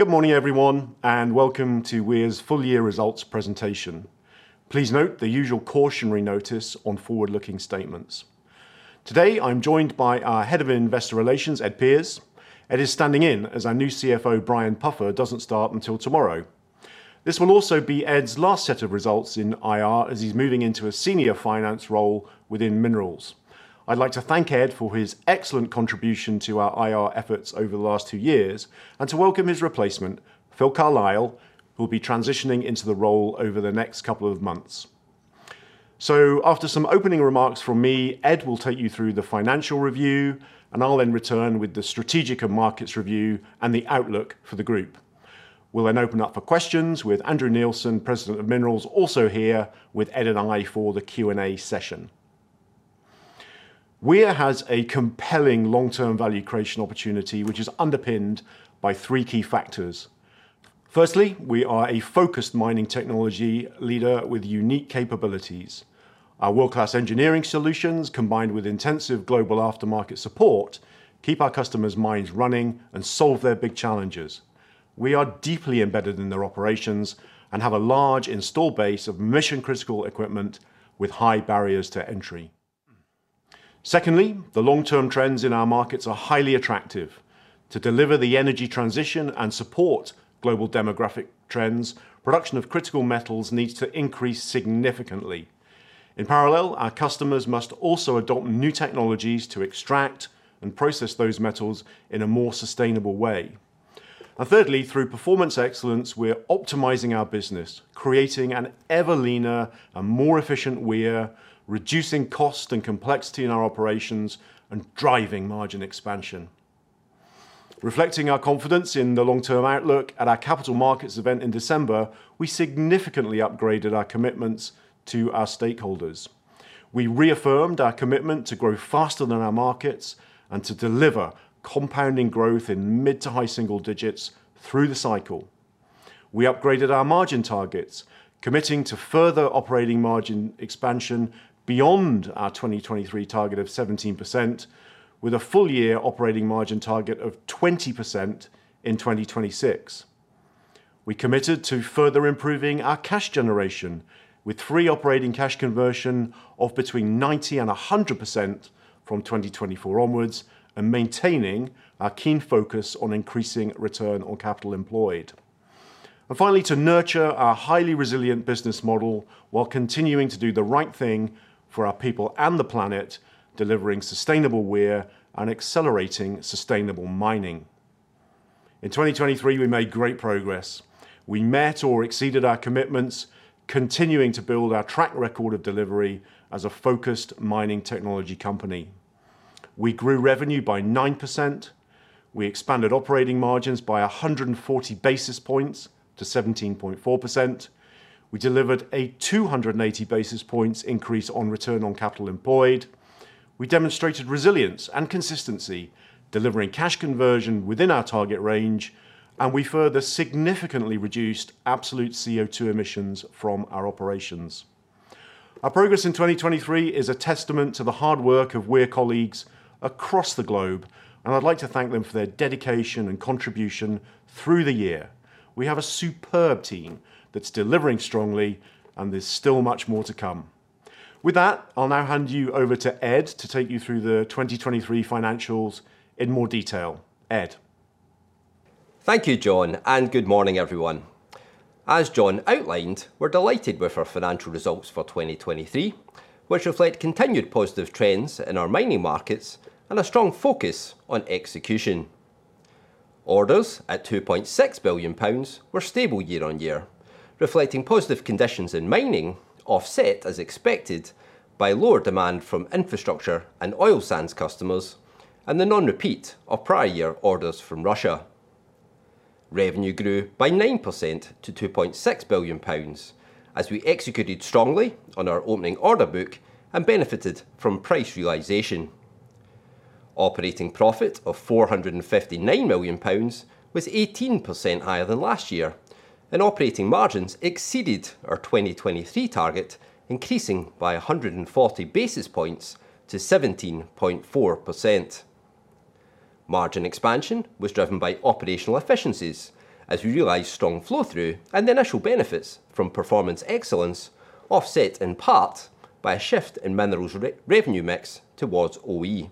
Good morning, everyone, and welcome to Weir's full-year results presentation. Please note the usual cautionary notice on forward-looking statements. Today I'm joined by our Head of Investor Relations, Ed Pears. Ed is standing in as our new CFO, Brian Puffer, doesn't start until tomorrow. This will also be Ed's last set of results in IR as he's moving into a senior finance role within Minerals. I'd like to thank Ed for his excellent contribution to our IR efforts over the last two years, and to welcome his replacement, Phil Carlisle, who'll be transitioning into the role over the next couple of months. So after some opening remarks from me, Ed will take you through the financial review, and I'll then return with the strategic and markets review and the outlook for the group. We'll then open up for questions with Andrew Neilson, President of Minerals, also here with Ed and I for the Q&A session. Weir has a compelling long-term value creation opportunity which is underpinned by free key factors. Firstly, we are a focused mining technology leader with unique capabilities. Our world-class engineering solutions, combined with intensive global aftermarket support, keep our customers' minds running and solve their big challenges. We are deeply embedded in their operations and have a large install base of mission-critical equipment with high barriers to entry. Secondly, the long-term trends in our markets are highly attractive. To deliver the energy transition and support global demographic trends, production of critical metals needs to increase significantly. In parallel, our customers must also adopt new technologies to extract and process those metals in a more sustainable way. Thirdly, through Performance Excellence, we're optimizing our business, creating an ever leaner and more efficient Weir, reducing cost and complexity in our operations, and driving margin expansion. Reflecting our confidence in the long-term outlook, at our Capital Markets event in December, we significantly upgraded our commitments to our stakeholders. We reaffirmed our commitment to grow faster than our markets and to deliver compounding growth in mid to high single digits through the cycle. We upgraded our margin targets, committing to further operating margin expansion beyond our 2023 target of 17%, with a full-year operating margin target of 20% in 2026. We committed to further improving our cash generation with free operating cash conversion of between 90% and 100% from 2024 onwards, and maintaining our keen focus on increasing return on capital employed. Finally, to nurture our highly resilient business model while continuing to do the right thing for our people and the planet, delivering sustainable Weir and accelerating sustainable mining. In 2023, we made great progress. We met or exceeded our commitments, continuing to build our track record of delivery as a focused mining technology company. We grew revenue by 9%. We expanded operating margins by 140 basis points to 17.4%. We delivered a 280 basis points increase on return on capital employed. We demonstrated resilience and consistency, delivering cash conversion within our target range, and we further significantly reduced absolute CO2 emissions from our operations. Our progress in 2023 is a testament to the hard work of Weir colleagues across the globe, and I'd like to thank them for their dedication and contribution through the year. We have a superb team that's delivering strongly, and there's still much more to come. With that, I'll now hand you over to Ed to take you through the 2023 financials in more detail. Ed. Thank you, Jon, and good morning, everyone. As Jon outlined, we're delighted with our financial results for 2023, which reflect continued positive trends in our mining markets and a strong focus on execution. Orders at 2.6 billion pounds were stable year on year, reflecting positive conditions in mining offset, as expected, by lower demand from infrastructure and oil sands customers and the non-repeat of prior-year orders from Russia. Revenue grew by 9% to 2.6 billion pounds as we executed strongly on our opening order book and benefited from price realisation. Operating profit of 459 million pounds was 18% higher than last year, and operating margins exceeded our 2023 target, increasing by 140 basis points to 17.4%. Margin expansion was driven by operational efficiencies as we realised strong flow-through and initial benefits from performance excellence, offset in part by a shift in Minerals' revenue mix towards OE.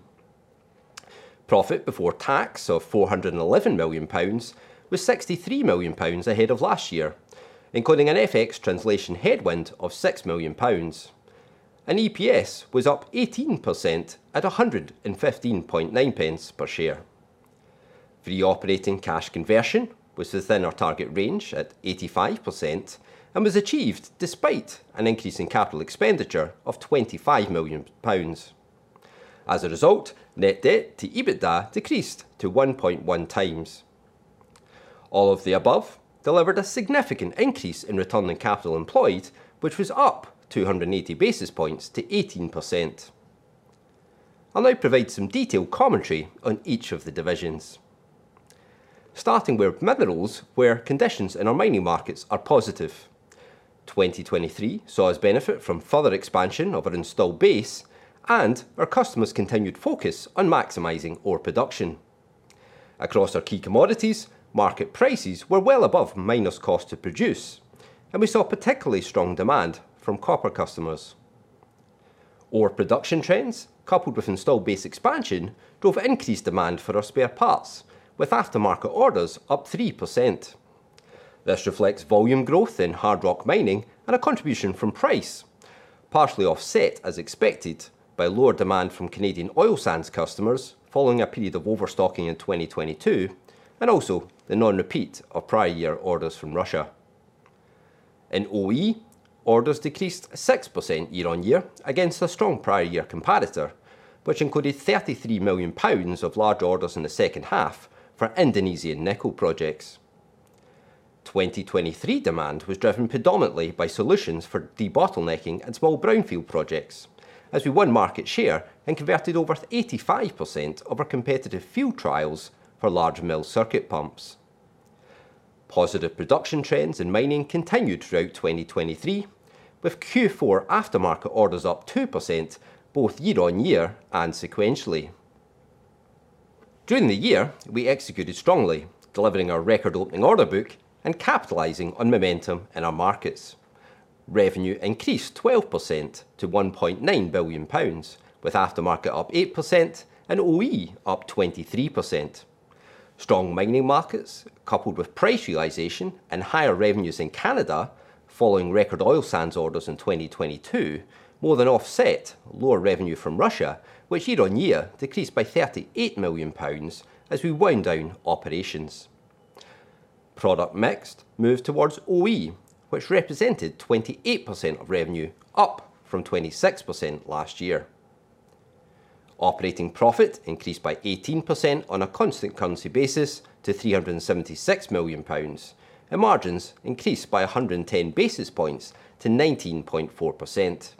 Profit before tax of 411 million pounds was 63 million pounds ahead of last year, including an FX translation headwind of 6 million pounds. EPS was up 18% at 115.9 per share. Free operating cash conversion was within our target range at 85% and was achieved despite an increase in capital expenditure of 25 million pounds. As a result, net debt to EBITDA decreased to 1.1 times. All of the above delivered a significant increase in return on capital employed, which was up 280 basis points to 18%. I'll now provide some detailed commentary on each of the divisions. Starting with Minerals, where conditions in our mining markets are positive. 2023 saw us benefit from further expansion of our install base and our customers' continued focus on maximizing ore production. Across our key commodities, market prices were well above miners' cost to produce, and we saw particularly strong demand from copper customers. Ore production trends, coupled with install base expansion, drove increased demand for our spare parts, with aftermarket orders up 3%. This reflects volume growth in hard rock mining and a contribution from price, partially offset, as expected, by lower demand from Canadian oil sands customers following a period of overstocking in 2022, and also the non-repeat of prior-year orders from Russia. In OE, orders decreased 6% year on year against a strong prior-year competitor, which included 33 million pounds of large orders in the second half for Indonesian nickel projects. 2023 demand was driven predominantly by solutions for debottlenecking and small brownfield projects, as we won market share and converted over 85% of our competitive field trials for large mill circuit pumps. Positive production trends in mining continued throughout 2023, with Q4 aftermarket orders up 2% both year on year and sequentially. During the year, we executed strongly, delivering our record opening order book and capitalizing on momentum in our markets. Revenue increased 12% to 1.9 billion pounds, with aftermarket up 8% and OE up 23%. Strong mining markets, coupled with price realization and higher revenues in Canada following record oil sands orders in 2022, more than offset lower revenue from Russia, which year on year decreased by 38 million pounds as we wound down operations. Product mix moved towards OE, which represented 28% of revenue, up from 26% last year. Operating profit increased by 18% on a constant currency basis to 376 million pounds, and margins increased by 110 basis points to 19.4%.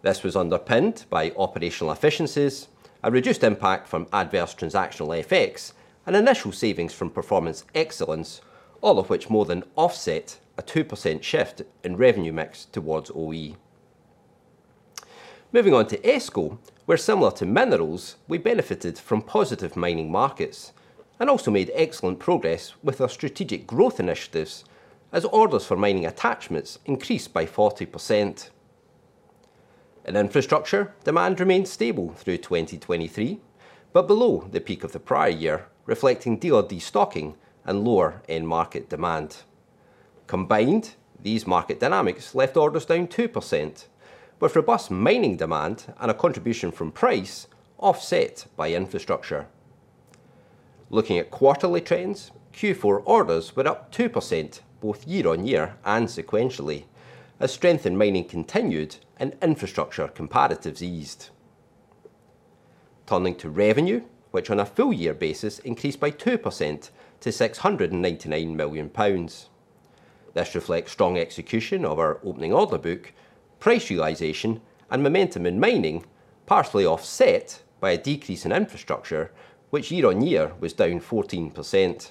This was underpinned by operational efficiencies, a reduced impact from adverse transactional effects, and initial savings from performance excellence, all of which more than offset a 2% shift in revenue mix towards OE. Moving on to ESCO, where similar to Minerals, we benefited from positive mining markets and also made excellent progress with our strategic growth initiatives, as orders for mining attachments increased by 40%. In infrastructure, demand remained stable through 2023, but below the peak of the prior year, reflecting destocking and lower end-market demand. Combined, these market dynamics left orders down 2%, with robust mining demand and a contribution from price offset by infrastructure. Looking at quarterly trends, Q4 orders were up 2% both year-over-year and sequentially, as strength in mining continued and infrastructure competitors eased. Turning to revenue, which on a full-year basis increased by 2% to 699 million pounds. This reflects strong execution of our opening order book, price realization and momentum in mining, partially offset by a decrease in infrastructure, which year-over-year was down 14%.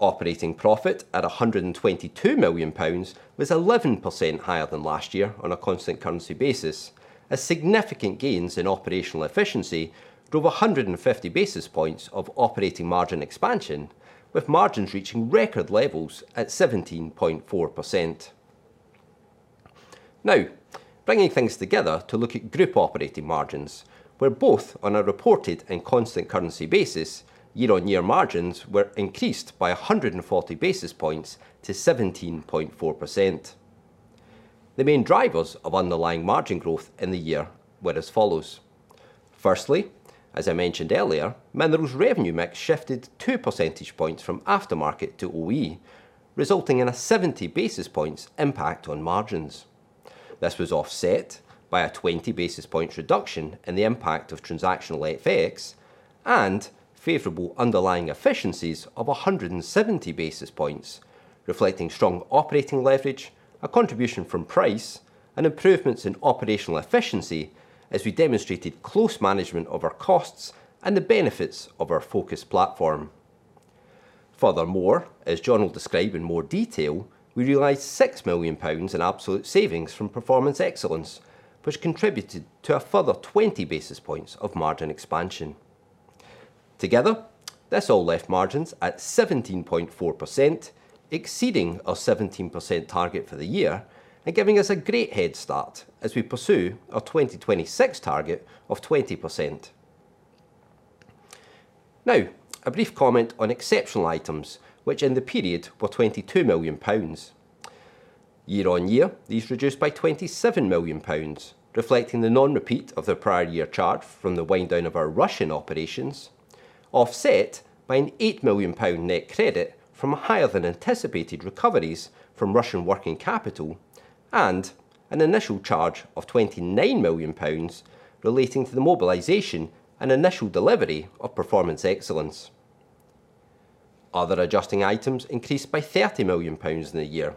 Operating profit at 122 million pounds was 11% higher than last year on a constant currency basis, as significant gains in operational efficiency drove 150 basis points of operating margin expansion, with margins reaching record levels at 17.4%. Now, bringing things together to look at group operating margins, we're both on a reported and constant currency basis, year on year margins were increased by 140 basis points to 17.4%. The main drivers of underlying margin growth in the year were as follows. Firstly, as I mentioned earlier, Minerals' revenue mix shifted 2 percentage points from aftermarket to OE, resulting in a 70 basis points impact on margins. This was offset by a 20 basis points reduction in the impact of transactional effects and favorable underlying efficiencies of 170 basis points, reflecting strong operating leverage, a contribution from price, and improvements in operational efficiency as we demonstrated close management of our costs and the benefits of our focused platform. Furthermore, as Jon will describe in more detail, we realized 6 million pounds in absolute savings from performance excellence, which contributed to a further 20 basis points of margin expansion. Together, this all left margins at 17.4%, exceeding our 17% target for the year and giving us a great head start as we pursue our 2026 target of 20%. Now, a brief comment on exceptional items, which in the period were 22 million pounds. Year on year, these reduced by 27 million pounds, reflecting the non-repeat of their prior-year charge from the wind down of our Russian operations, offset by an 8 million pound net credit from higher-than-anticipated recoveries from Russian working capital, and an initial charge of 29 million pounds relating to the mobilization and initial delivery of Performance Excellence. Other adjusting items increased by 30 million pounds in the year,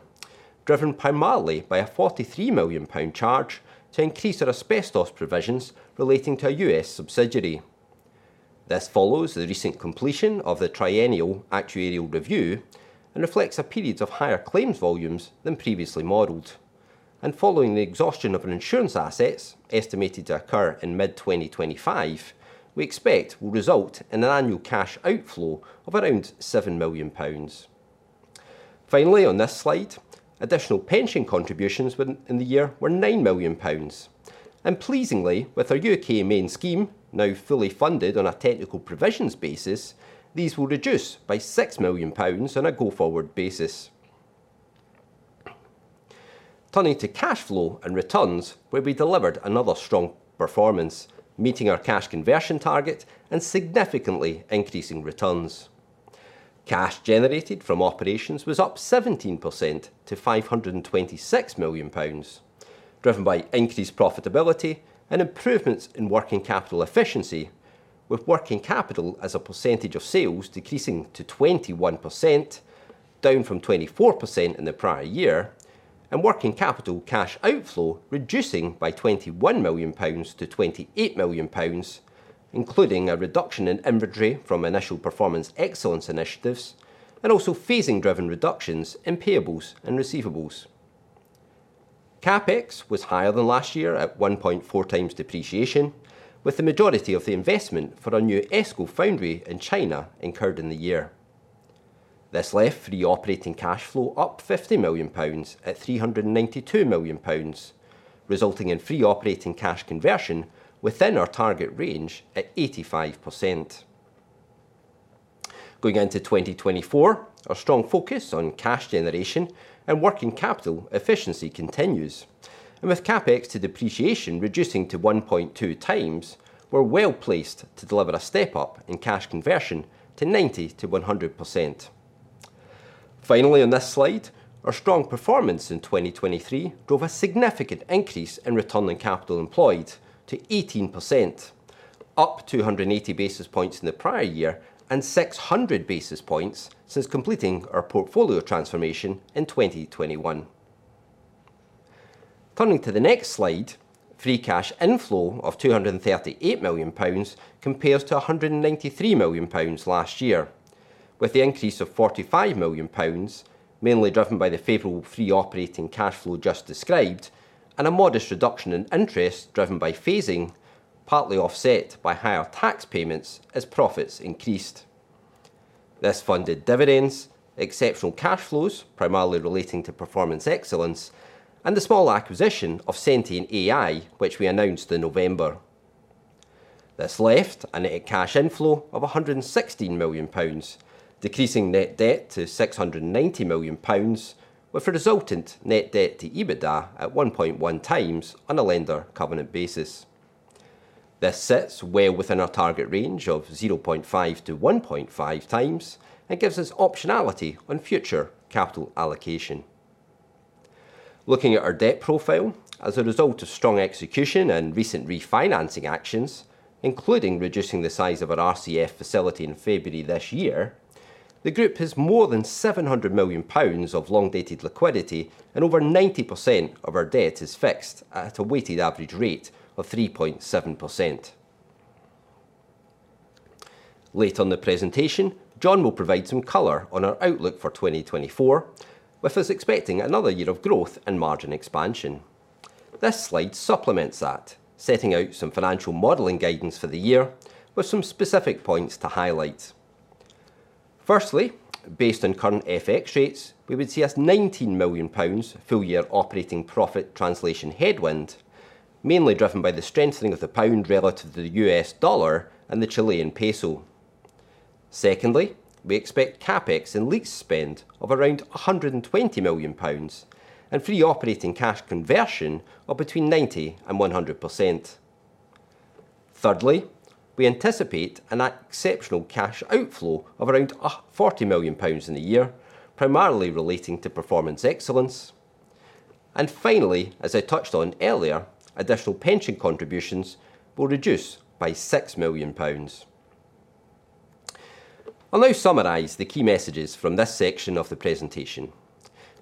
driven primarily by a 43 million pound charge to increase our asbestos provisions relating to a U.S. subsidiary. This follows the recent completion of the triennial actuarial review and reflects a period of higher claims volumes than previously modeled. And following the exhaustion of our insurance assets, estimated to occur in mid-2025, we expect will result in an annual cash outflow of around 7 million pounds. Finally, on this slide, additional pension contributions in the year were 9 million pounds. Pleasingly, with our U.K. main scheme, now fully funded on a technical provisions basis, these will reduce by 6 million pounds on a go-forward basis. Turning to cash flow and returns, where we delivered another strong performance, meeting our cash conversion target and significantly increasing returns. Cash generated from operations was up 17% to 526 million pounds, driven by increased profitability and improvements in working capital efficiency, with working capital as a percentage of sales decreasing to 21%, down from 24% in the prior year, and working capital cash outflow reducing by 21 million pounds to 28 million pounds, including a reduction in inventory from initial performance excellence initiatives and also phasing-driven reductions in payables and receivables. Cavex was higher than last year at 1.4 times depreciation, with the majority of the investment for our new ESCO foundry in China incurred in the year. This left free operating cash flow up 50 million pounds at 392 million pounds, resulting in free operating cash conversion within our target range at 85%. Going into 2024, our strong focus on cash generation and working capital efficiency continues, and with Cavex to depreciation reducing to 1.2 times, we're well placed to deliver a step up in cash conversion to 90%-100%. Finally, on this slide, our strong performance in 2023 drove a significant increase in return on capital employed to 18%, up 280 basis points in the prior year and 600 basis points since completing our portfolio transformation in 2021. Turning to the next slide, free cash inflow of 238 million pounds compares to 193 million pounds last year, with the increase of 45 million pounds, mainly driven by the favorable free operating cash flow just described and a modest reduction in interest driven by phasing, partly offset by higher tax payments as profits increased. This funded dividends, exceptional cash flows primarily relating to Performance Excellence, and the small acquisition of Sentian AI, which we announced in November. This left a net cash inflow of 116 million pounds, decreasing net debt to 690 million pounds, with a resultant net debt to EBITDA at 1.1 times on a lender covenant basis. This sits well within our target range of 0.5-1.5 times and gives us optionality on future capital allocation. Looking at our debt profile, as a result of strong execution and recent refinancing actions, including reducing the size of our RCF facility in February this year, the group has more than 700 million pounds of long-dated liquidity and over 90% of our debt is fixed at a weighted average rate of 3.7%. Later on the presentation, Jon will provide some color on our outlook for 2024, with us expecting another year of growth and margin expansion. This slide supplements that, setting out some financial modelling guidance for the year with some specific points to highlight. Firstly, based on current FX rates, we would see us 19 million pounds full-year operating profit translation headwind, mainly driven by the strengthening of the pound relative to the U.S. dollar and the Chilean peso. Secondly, we expect CapEx and leases spend of around 120 million pounds and free operating cash conversion of between 90% and 100%. Thirdly, we anticipate an exceptional cash outflow of around 40 million pounds in the year, primarily relating to performance excellence. And finally, as I touched on earlier, additional pension contributions will reduce by 6 million pounds. I'll now summarize the key messages from this section of the presentation.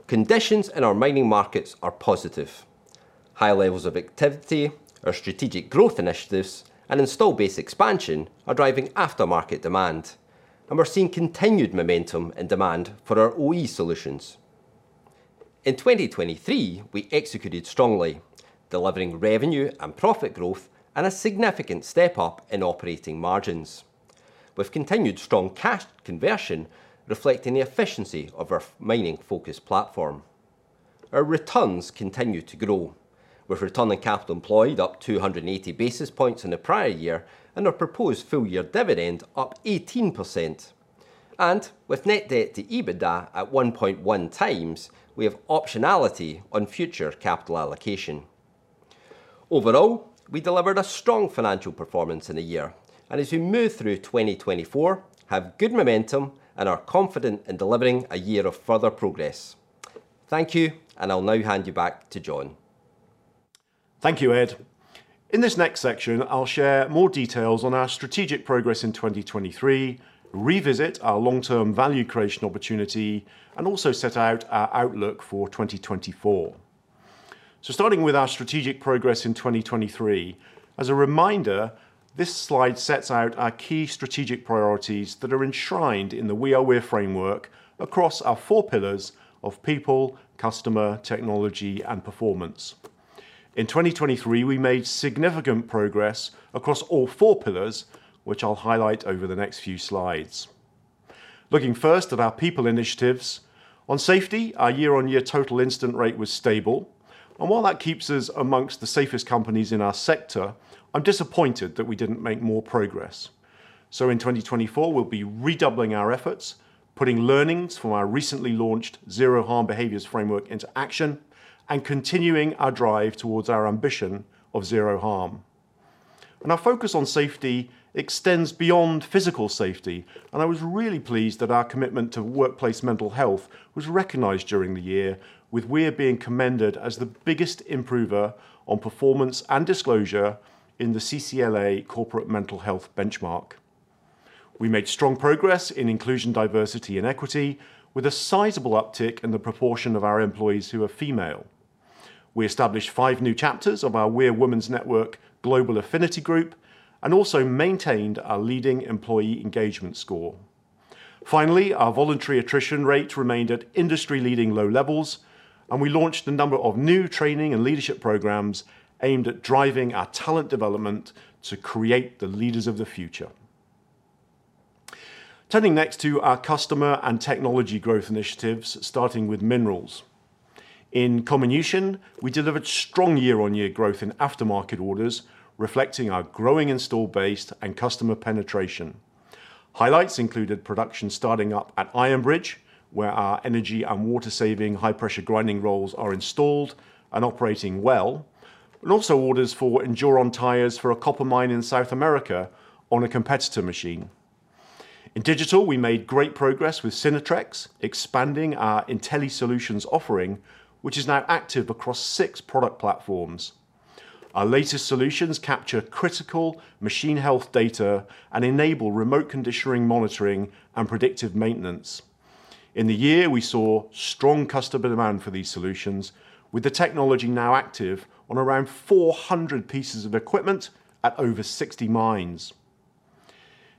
Conditions in our mining markets are positive. High levels of activity, our strategic growth initiatives, and install base expansion are driving aftermarket demand, and we're seeing continued momentum in demand for our OE solutions. In 2023, we executed strongly, delivering revenue and profit growth and a significant step up in operating margins, with continued strong cash conversion reflecting the efficiency of our mining-focused platform. Our returns continue to grow, with return on capital employed up 280 basis points in the prior year and our proposed full-year dividend up 18%. With net debt to EBITDA at 1.1 times, we have optionality on future capital allocation. Overall, we delivered a strong financial performance in the year and, as we move through 2024, have good momentum and are confident in delivering a year of further progress. Thank you, and I'll now hand you back to Jon. Thank you, Ed. In this next section, I'll share more details on our strategic progress in 2023, revisit our long-term value creation opportunity, and also set out our outlook for 2024. So starting with our strategic progress in 2023, as a reminder, this slide sets out our key strategic priorities that are enshrined in the We are Weir framework across our four pillars of people, customer, technology, and performance. In 2023, we made significant progress across all four pillars, which I'll highlight over the next few slides. Looking first at our people initiatives, on safety, our year-on-year total incident rate was stable. And while that keeps us amongst the safest companies in our sector, I'm disappointed that we didn't make more progress. In 2024, we'll be redoubling our efforts, putting learnings from our recently launched Zero Harm Behaviors framework into action, and continuing our drive towards our ambition of zero harm. Our focus on safety extends beyond physical safety. I was really pleased that our commitment to workplace mental health was recognized during the year, with Weir being commended as the biggest improver on performance and disclosure in the CCLA Corporate Mental Health Benchmark. We made strong progress in inclusion, diversity, and equity, with a sizable uptick in the proportion of our employees who are female. We established five new chapters of our Weir Women's Network Global Affinity Group and also maintained our leading employee engagement score. Finally, our voluntary attrition rate remained at industry-leading low levels, and we launched a number of new training and leadership programs aimed at driving our talent development to create the leaders of the future. Turning next to our customer and technology growth initiatives, starting with minerals. In Comminution, we delivered strong year-on-year growth in aftermarket orders, reflecting our growing install base and customer penetration. Highlights included production starting up at Iron Bridge, where our energy and water-saving high-pressure grinding rolls are installed and operating well, but also orders for ENDURON tires for a copper mine in South America on a competitor machine. In digital, we made great progress with Synertrex, expanding our IntelliSolutions offering, which is now active across six product platforms. Our latest solutions capture critical machine health data and enable remote conditioning, monitoring, and predictive maintenance. In the year, we saw strong customer demand for these solutions, with the technology now active on around 400 pieces of equipment at over 60 mines.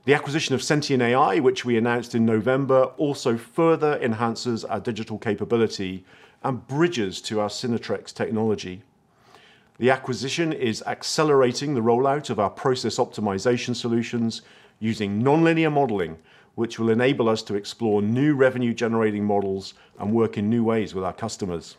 The acquisition of Sentian AI, which we announced in November, also further enhances our digital capability and bridges to our Synertrex technology. The acquisition is accelerating the rollout of our process optimization solutions using non-linear modeling, which will enable us to explore new revenue-generating models and work in new ways with our customers.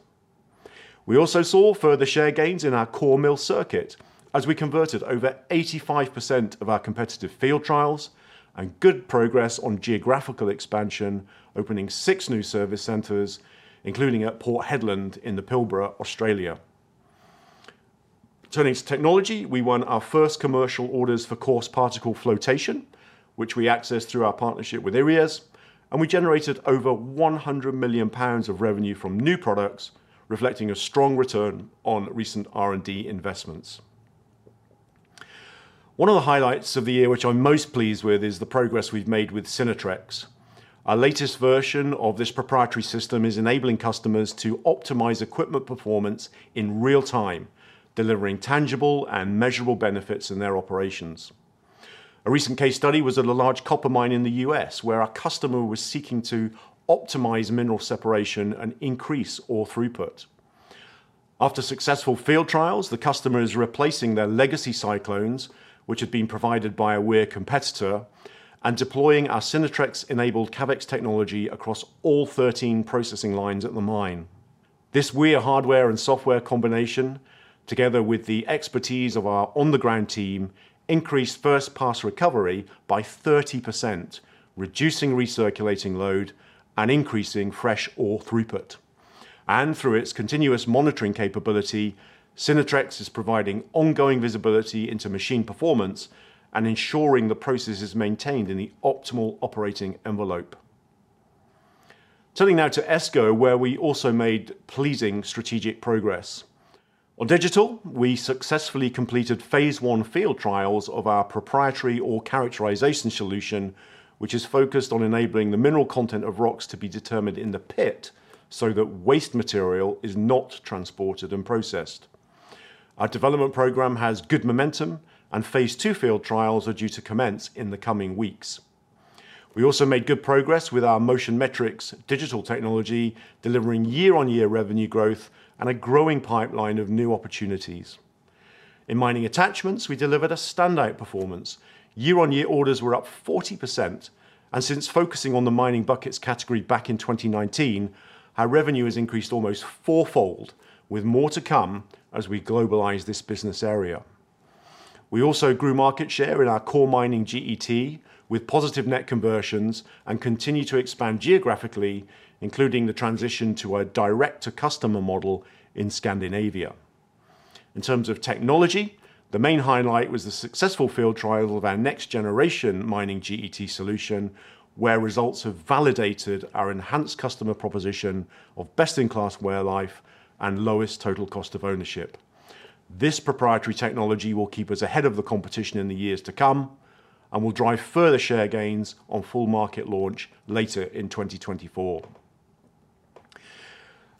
We also saw further share gains in our core mill circuit as we converted over 85% of our competitive field trials and good progress on geographical expansion, opening six new service centers, including at Port Hedland in the Pilbara, Australia. Turning to technology, we won our first commercial orders for coarse particle flotation, which we accessed through our partnership with Eriez, and we generated over 100 million pounds of revenue from new products, reflecting a strong return on recent R&D investments. One of the highlights of the year, which I'm most pleased with, is the progress we've made with Synertrex. Our latest version of this proprietary system is enabling customers to optimize equipment performance in real time, delivering tangible and measurable benefits in their operations. A recent case study was at a large copper mine in the U.S., where a customer was seeking to optimize mineral separation and increase ore throughput. After successful field trials, the customer is replacing their legacy cyclones, which had been provided by a Weir competitor, and deploying our Synertrex-enabled Cavex technology across all 13 processing lines at the mine. This Weir hardware and software combination, together with the expertise of our on-the-ground team, increased first-pass recovery by 30%, reducing recirculating load and increasing fresh ore throughput. And through its continuous monitoring capability, Synertrex is providing ongoing visibility into machine performance and ensuring the process is maintained in the optimal operating envelope. Turning now to ESCO, where we also made pleasing strategic progress. On digital, we successfully completed phase one field trials of our proprietary ore characterisation solution, which is focused on enabling the mineral content of rocks to be determined in the pit so that waste material is not transported and processed. Our development programme has good momentum, and phase two field trials are due to commence in the coming weeks. We also made good progress with our Motion Metrics digital technology, delivering year-on-year revenue growth and a growing pipeline of new opportunities. In mining attachments, we delivered a standout performance. Year-on-year orders were up 40%. Since focusing on the mining buckets category back in 2019, our revenue has increased almost fourfold, with more to come as we globalize this business area. We also grew market share in our core mining GET with positive net conversions and continue to expand geographically, including the transition to our direct-to-customer model in Scandinavia. In terms of technology, the main highlight was the successful field trial of our next-generation mining GET solution, where results have validated our enhanced customer proposition of best-in-class wear life and lowest total cost of ownership. This proprietary technology will keep us ahead of the competition in the years to come and will drive further share gains on full-market launch later in 2024.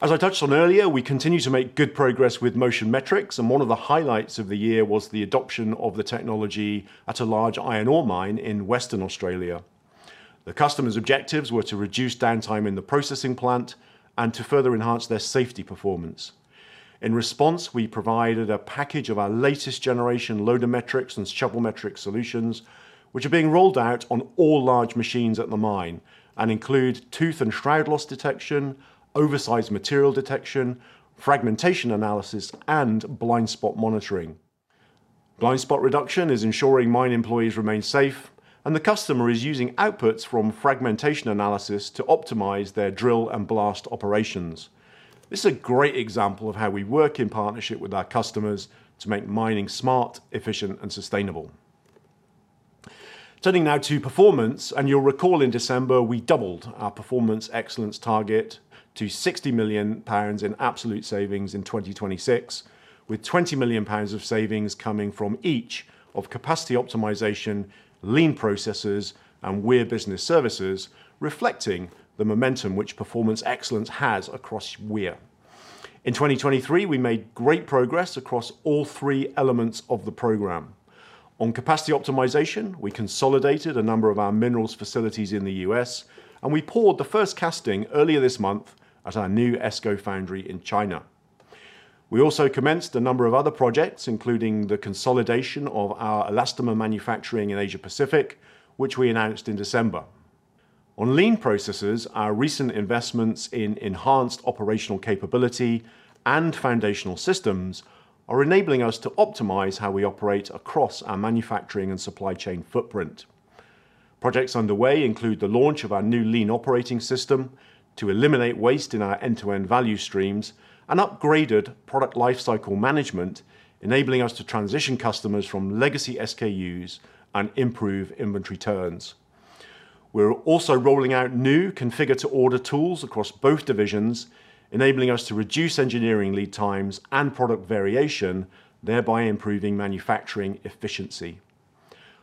As I touched on earlier, we continue to make good progress with Motion Metrics. One of the highlights of the year was the adoption of the technology at a large iron ore mine in Western Australia. The customer's objectives were to reduce downtime in the processing plant and to further enhance their safety performance. In response, we provided a package of our latest-generation LoaderMetrics and ShovelMetrics solutions, which are being rolled out on all large machines at the mine and include tooth and shroud loss detection, oversized material detection, fragmentation analysis, and blind spot monitoring. Blind spot reduction is ensuring mine employees remain safe, and the customer is using outputs from fragmentation analysis to optimize their drill and blast operations. This is a great example of how we work in partnership with our customers to make mining smart, efficient, and sustainable. Turning now to performance, and you'll recall in December, we doubled our Performance Excellence target to 60 million pounds in absolute savings in 2026, with 20 million pounds of savings coming from each of capacity optimization, lean processes, and Weir Business Services, reflecting the momentum which Performance Excellence has across Weir. In 2023, we made great progress across all three elements of the program. On capacity optimization, we consolidated a number of our minerals facilities in the U.S., and we poured the first casting earlier this month at our new ESCO foundry in China. We also commenced a number of other projects, including the consolidation of our elastomer manufacturing in Asia Pacific, which we announced in December. On lean processes, our recent investments in enhanced operational capability and foundational systems are enabling us to optimize how we operate across our manufacturing and supply chain footprint. Projects underway include the launch of our new lean operating system to eliminate waste in our end-to-end value streams and upgraded product lifecycle management, enabling us to transition customers from legacy SKUs and improve inventory turns. We're also rolling out new configure-to-order tools across both divisions, enabling us to reduce engineering lead times and product variation, thereby improving manufacturing efficiency.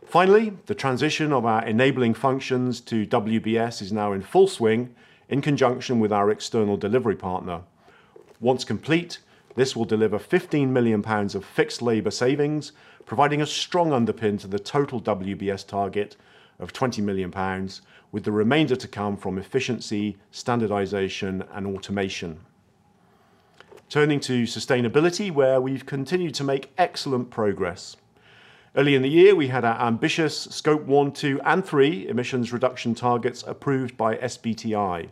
Finally, the transition of our enabling functions to WBS is now in full swing in conjunction with our external delivery partner. Once complete, this will deliver 15 million pounds of fixed labor savings, providing a strong underpin to the total WBS target of 20 million pounds, with the remainder to come from efficiency, standardization, and automation. Turning to sustainability, where we've continued to make excellent progress. Early in the year, we had our ambitious Scope 1, 2, and 3 emissions reduction targets approved by SBTi.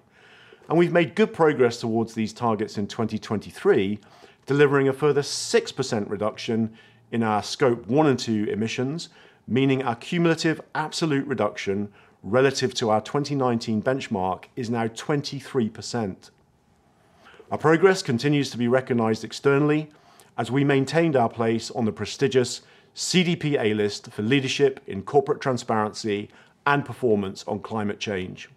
We've made good progress towards these targets in 2023, delivering a further 6% reduction in our Scope 1 and 2 emissions, meaning our cumulative absolute reduction relative to our 2019 benchmark is now 23%. Our progress continues to be recognized externally as we maintained our place on the prestigious CDP A-list for leadership in corporate transparency and performance on climate change.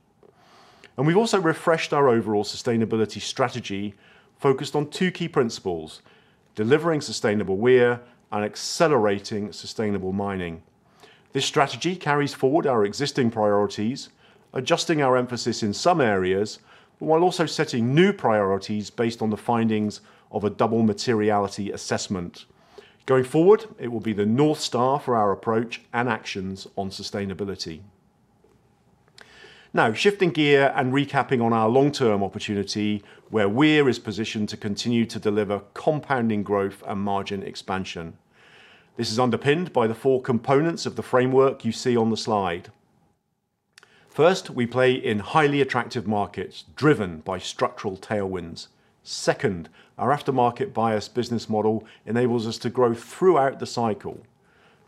We've also refreshed our overall sustainability strategy, focused on two key principles: delivering sustainable Weir and accelerating sustainable mining. This strategy carries forward our existing priorities, adjusting our emphasis in some areas, while also setting new priorities based on the findings of a double materiality assessment. Going forward, it will be the North Star for our approach and actions on sustainability. Now, shifting gear and recapping on our long-term opportunity, where Weir is positioned to continue to deliver compounding growth and margin expansion. This is underpinned by the four components of the framework you see on the slide. First, we play in highly attractive markets driven by structural tailwinds. Second, our aftermarket bias business model enables us to grow throughout the cycle.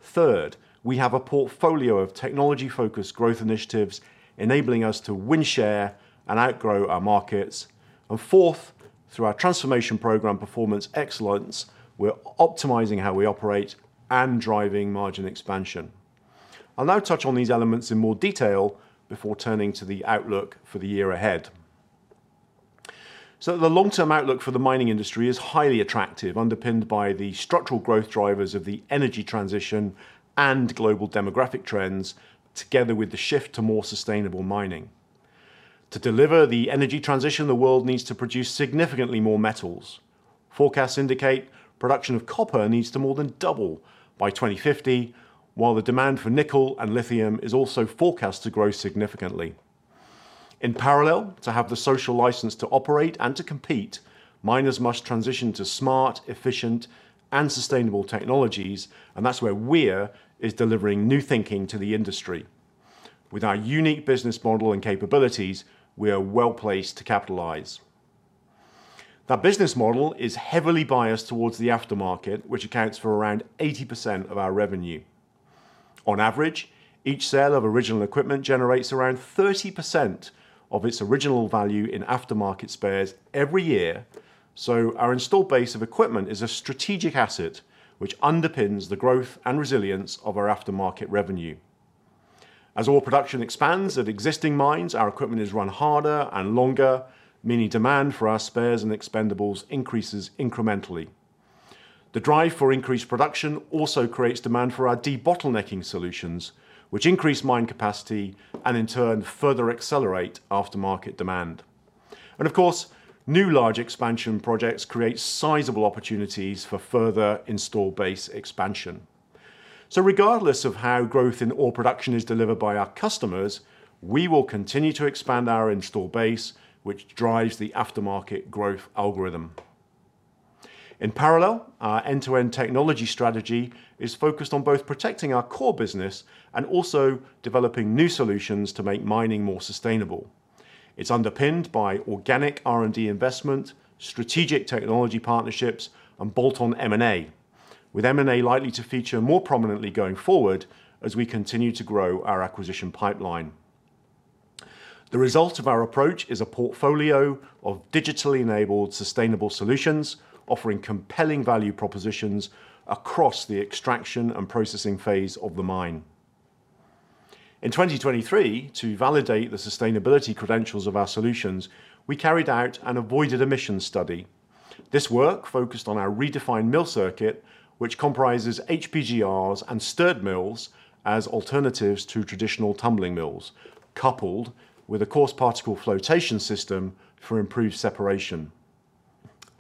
Third, we have a portfolio of technology-focused growth initiatives, enabling us to win share and outgrow our markets. And fourth, through our transformation program Performance Excellence, we're optimizing how we operate and driving margin expansion. I'll now touch on these elements in more detail before turning to the outlook for the year ahead. So the long-term outlook for the mining industry is highly attractive, underpinned by the structural growth drivers of the energy transition and global demographic trends, together with the shift to more sustainable mining. To deliver the energy transition, the world needs to produce significantly more metals. Forecasts indicate production of copper needs to more than double by 2050, while the demand for nickel and lithium is also forecast to grow significantly. In parallel, to have the social license to operate and to compete, miners must transition to smart, efficient, and sustainable technologies. That's where Weir is delivering new thinking to the industry. With our unique business model and capabilities, we are well placed to capitalize. Our business model is heavily biased towards the aftermarket, which accounts for around 80% of our revenue. On average, each sale of original equipment generates around 30% of its original value in aftermarket spares every year. Our install base of equipment is a strategic asset, which underpins the growth and resilience of our aftermarket revenue. As ore production expands at existing mines, our equipment is run harder and longer, meaning demand for our spares and expendables increases incrementally. The drive for increased production also creates demand for our debottlenecking solutions, which increase mine capacity and, in turn, further accelerate aftermarket demand. And of course, new large expansion projects create sizable opportunities for further install base expansion. So regardless of how growth in ore production is delivered by our customers, we will continue to expand our install base, which drives the aftermarket growth algorithm. In parallel, our end-to-end technology strategy is focused on both protecting our core business and also developing new solutions to make mining more sustainable. It's underpinned by organic R&D investment, strategic technology partnerships, and bolt-on M&A, with M&A likely to feature more prominently going forward as we continue to grow our acquisition pipeline. The result of our approach is a portfolio of digitally-enabled sustainable solutions, offering compelling value propositions across the extraction and processing phase of the mine. In 2023, to validate the sustainability credentials of our solutions, we carried out an avoided emissions study. This work focused on our redefined mill circuit, which comprises HPGRs and stirred mills as alternatives to traditional tumbling mills, coupled with a coarse particle flotation system for improved separation.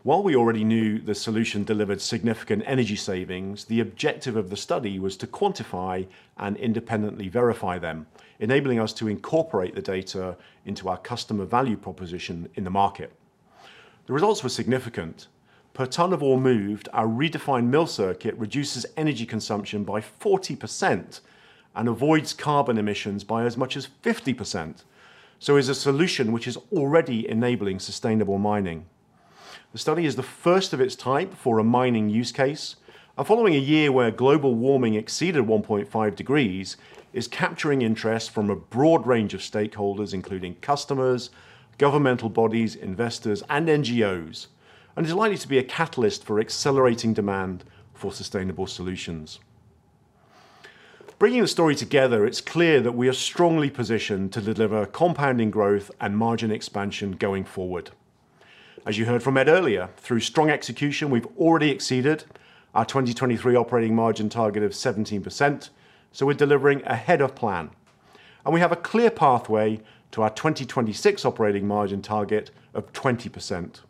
While we already knew the solution delivered significant energy savings, the objective of the study was to quantify and independently verify them, enabling us to incorporate the data into our customer value proposition in the market. The results were significant. Per tonne of ore moved, our redefined mill circuit reduces energy consumption by 40% and avoids carbon emissions by as much as 50%. So it's a solution which is already enabling sustainable mining. The study is the first of its type for a mining use case. Following a year where global warming exceeded 1.5 degrees, it's capturing interest from a broad range of stakeholders, including customers, governmental bodies, investors, and NGOs. It's likely to be a catalyst for accelerating demand for sustainable solutions. Bringing the story together, it's clear that we are strongly positioned to deliver compounding growth and margin expansion going forward. As you heard from Ed earlier, through strong execution, we've already exceeded our 2023 operating margin target of 17%. So we're delivering ahead of plan. We have a clear pathway to our 2026 operating margin target of 20%.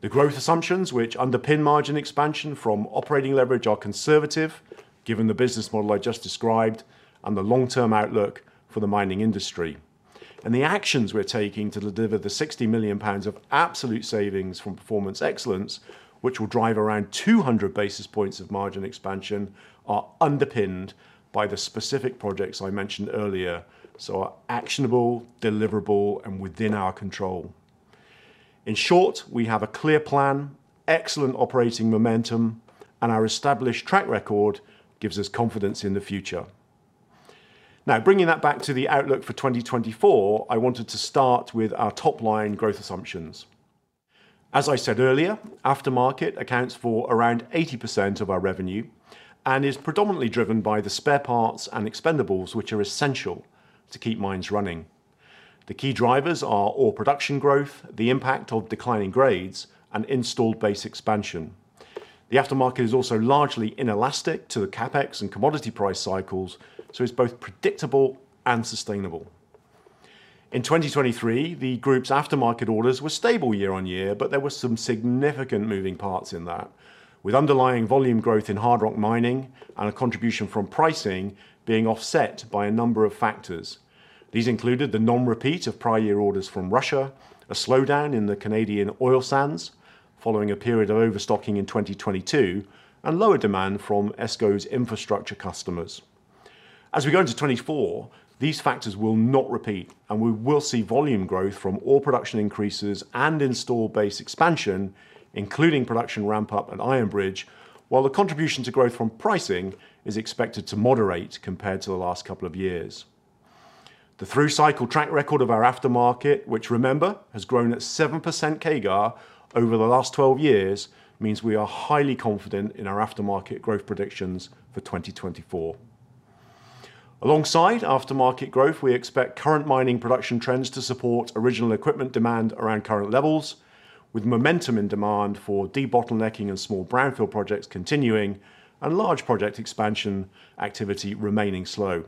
The growth assumptions, which underpin margin expansion from operating leverage, are conservative, given the business model I just described and the long-term outlook for the mining industry. The actions we're taking to deliver the 60 million pounds of absolute savings from performance excellence, which will drive around 200 basis points of margin expansion, are underpinned by the specific projects I mentioned earlier. Our actionable, deliverable, and within our control. In short, we have a clear plan, excellent operating momentum, and our established track record gives us confidence in the future. Now, bringing that back to the outlook for 2024, I wanted to start with our top-line growth assumptions. As I said earlier, aftermarket accounts for around 80% of our revenue and is predominantly driven by the spare parts and expendables, which are essential to keep mines running. The key drivers are ore production growth, the impact of declining grades, and installed base expansion. The aftermarket is also largely inelastic to the Cavex and commodity price cycles. It's both predictable and sustainable. In 2023, the group's aftermarket orders were stable year-on-year, but there were some significant moving parts in that, with underlying volume growth in hard rock mining and a contribution from pricing being offset by a number of factors. These included the non-repeat of prior year orders from Russia, a slowdown in the Canadian oil sands following a period of overstocking in 2022, and lower demand from ESCO's infrastructure customers. As we go into 2024, these factors will not repeat, and we will see volume growth from ore production increases and install base expansion, including production ramp-up and Iron Bridge, while the contribution to growth from pricing is expected to moderate compared to the last couple of years. The through-cycle track record of our aftermarket, which, remember, has grown at 7% CAGR over the last 12 years, means we are highly confident in our aftermarket growth predictions for 2024. Alongside aftermarket growth, we expect current mining production trends to support original equipment demand around current levels, with momentum in demand for debottlenecking and small brownfield projects continuing and large project expansion activity remaining slow.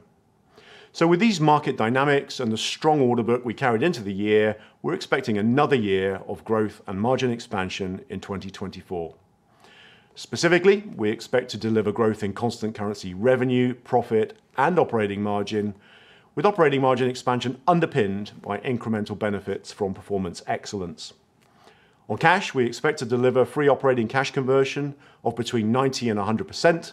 So with these market dynamics and the strong order book we carried into the year, we're expecting another year of growth and margin expansion in 2024. Specifically, we expect to deliver growth in constant currency revenue, profit, and operating margin, with operating margin expansion underpinned by incremental benefits from Performance Excellence. On cash, we expect to deliver free operating cash conversion of between 90% and 100%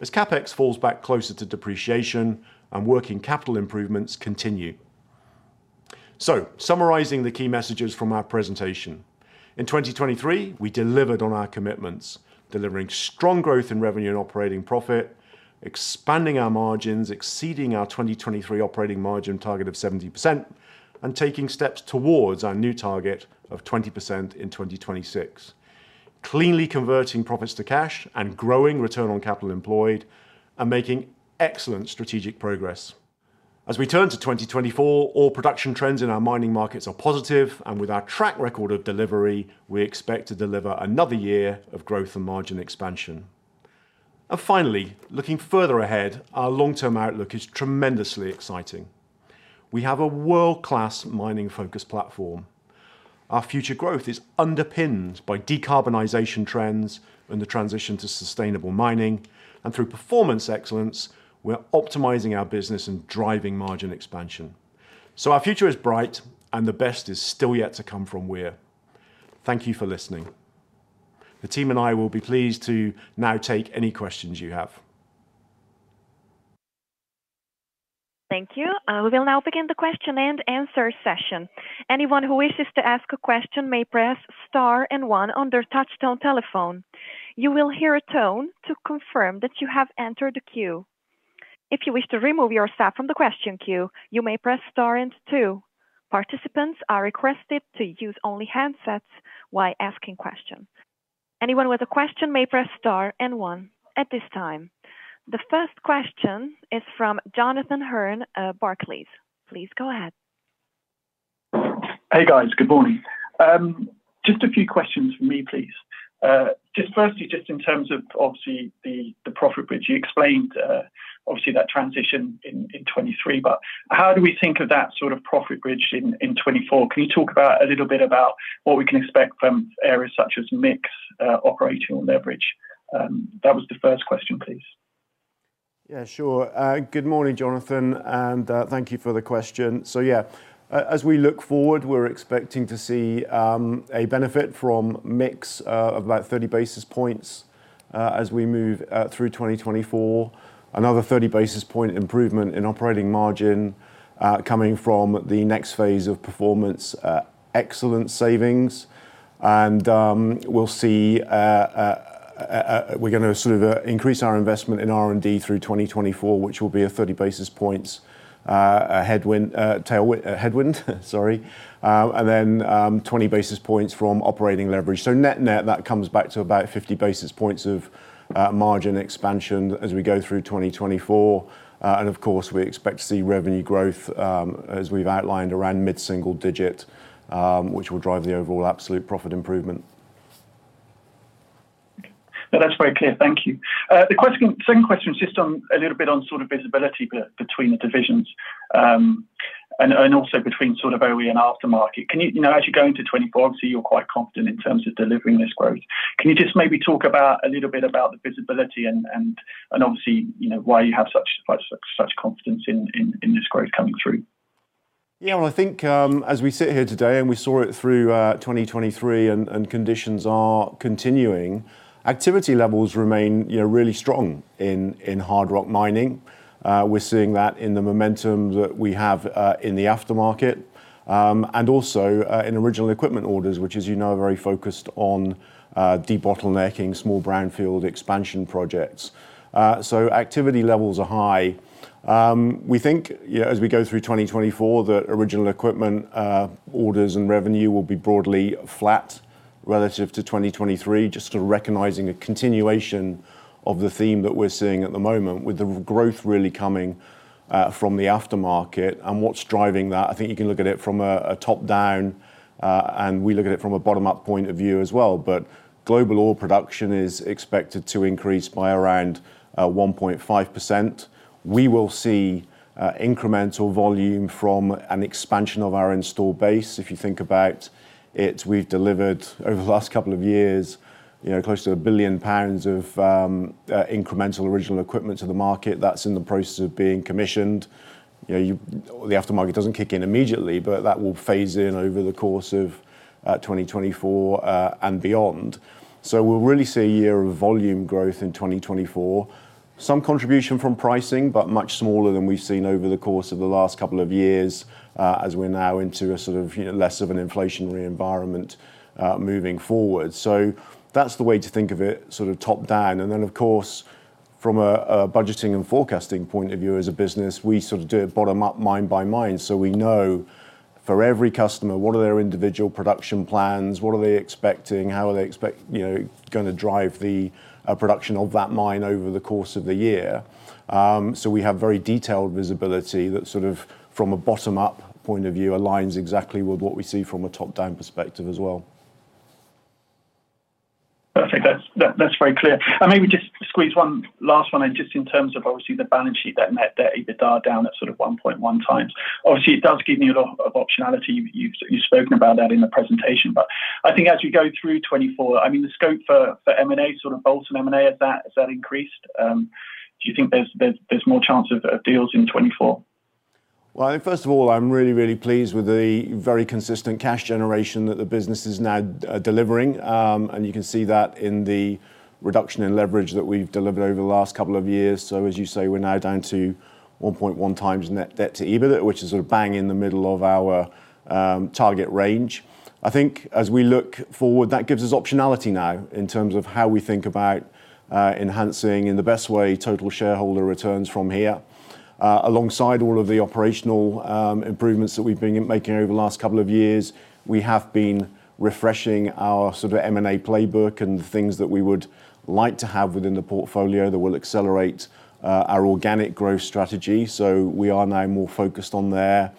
as Cavex falls back closer to depreciation and working capital improvements continue. So summarizing the key messages from our presentation, in 2023, we delivered on our commitments, delivering strong growth in revenue and operating profit, expanding our margins, exceeding our 2023 operating margin target of 70%, and taking steps towards our new target of 20% in 2026, cleanly converting profits to cash and growing return on capital employed, and making excellent strategic progress. As we turn to 2024, ore production trends in our mining markets are positive, and with our track record of delivery, we expect to deliver another year of growth and margin expansion. And finally, looking further ahead, our long-term outlook is tremendously exciting. We have a world-class mining-focused platform. Our future growth is underpinned by decarbonization trends and the transition to sustainable mining. And through performance excellence, we're optimizing our business and driving margin expansion. So our future is bright, and the best is still yet to come from Weir. Thank you for listening. The team and I will be pleased to now take any questions you have. Thank you. We will now begin the question and answer session. Anyone who wishes to ask a question may press star and one on their touch-tone telephone. You will hear a tone to confirm that you have entered the queue. If you wish to remove yourself from the question queue, you may press star and two. Participants are requested to use only handsets while asking questions. Anyone with a question may press star and one at this time. The first question is from Jonathan Hurn, Barclays. Please go ahead. Hey, guys. Good morning. Just a few questions for me, please. Firstly, just in terms of, obviously, the profit bridge. You explained, obviously, that transition in 2023, but how do we think of that sort of profit bridge in 2024? Can you talk a little bit about what we can expect from areas such as mixed operating leverage? That was the first question, please. Yeah, sure. Good morning, Jonathan, and thank you for the question. So yeah, as we look forward, we're expecting to see a benefit from mix of about 30 basis points as we move through 2024, another 30 basis point improvement in operating margin coming from the next phase of Performance Excellence savings. And we'll see, we're going to sort of increase our investment in R&D through 2024, which will be a 30 basis points headwind, sorry, and then 20 basis points from operating leverage. So net-net, that comes back to about 50 basis points of margin expansion as we go through 2024. And of course, we expect to see revenue growth, as we've outlined, around mid-single digit, which will drive the overall absolute profit improvement. That's very clear. Thank you. The second question is just a little bit on sort of visibility between the divisions and also between sort of OE and aftermarket. As you go into 2024, obviously, you're quite confident in terms of delivering this growth. Can you just maybe talk a little bit about the visibility and obviously why you have such confidence in this growth coming through? Yeah, well, I think as we sit here today and we saw it through 2023 and conditions are continuing, activity levels remain really strong in hard rock mining. We're seeing that in the momentum that we have in the aftermarket and also in original equipment orders, which, as you know, are very focused on debottlenecking, small brownfield expansion projects. So activity levels are high. We think as we go through 2024 that original equipment orders and revenue will be broadly flat relative to 2023, just sort of recognizing a continuation of the theme that we're seeing at the moment with the growth really coming from the aftermarket. And what's driving that? I think you can look at it from a top-down, and we look at it from a bottom-up point of view as well. But global ore production is expected to increase by around 1.5%. We will see incremental volume from an expansion of our Install base. If you think about it, we've delivered over the last couple of years close to 1 billion pounds of incremental Original Equipment to the market that's in the process of being commissioned. The Aftermarket doesn't kick in immediately, but that will phase in over the course of 2024 and beyond. So we'll really see a year of volume growth in 2024, some contribution from pricing, but much smaller than we've seen over the course of the last couple of years as we're now into a sort of less of an inflationary environment moving forward. So that's the way to think of it, sort of top-down. And then, of course, from a budgeting and forecasting point of view as a business, we sort of do it bottom-up, mine by mine. So we know for every customer, what are their individual production plans? What are they expecting? How are they going to drive the production of that mine over the course of the year? So we have very detailed visibility that sort of from a bottom-up point of view aligns exactly with what we see from a top-down perspective as well. Perfect. That's very clear. And maybe just squeeze one last one in just in terms of, obviously, the balance sheet that net debt to EBITDA down at sort of 1.1 times. Obviously, it does give you a lot of optionality. You've spoken about that in the presentation. But I think as you go through 2024, I mean, the scope for M&A, sort of bolt-in M&A, has that increased? Do you think there's more chance of deals in 2024? Well, I think first of all, I'm really, really pleased with the very consistent cash generation that the business is now delivering. And you can see that in the reduction in leverage that we've delivered over the last couple of years. So as you say, we're now down to 1.1 times net debt to EBITDA, which is sort of bang in the middle of our target range. I think as we look forward, that gives us optionality now in terms of how we think about enhancing in the best way total shareholder returns from here. Alongside all of the operational improvements that we've been making over the last couple of years, we have been refreshing our sort of M&A playbook and the things that we would like to have within the portfolio that will accelerate our organic growth strategy. So we are now more focused on there.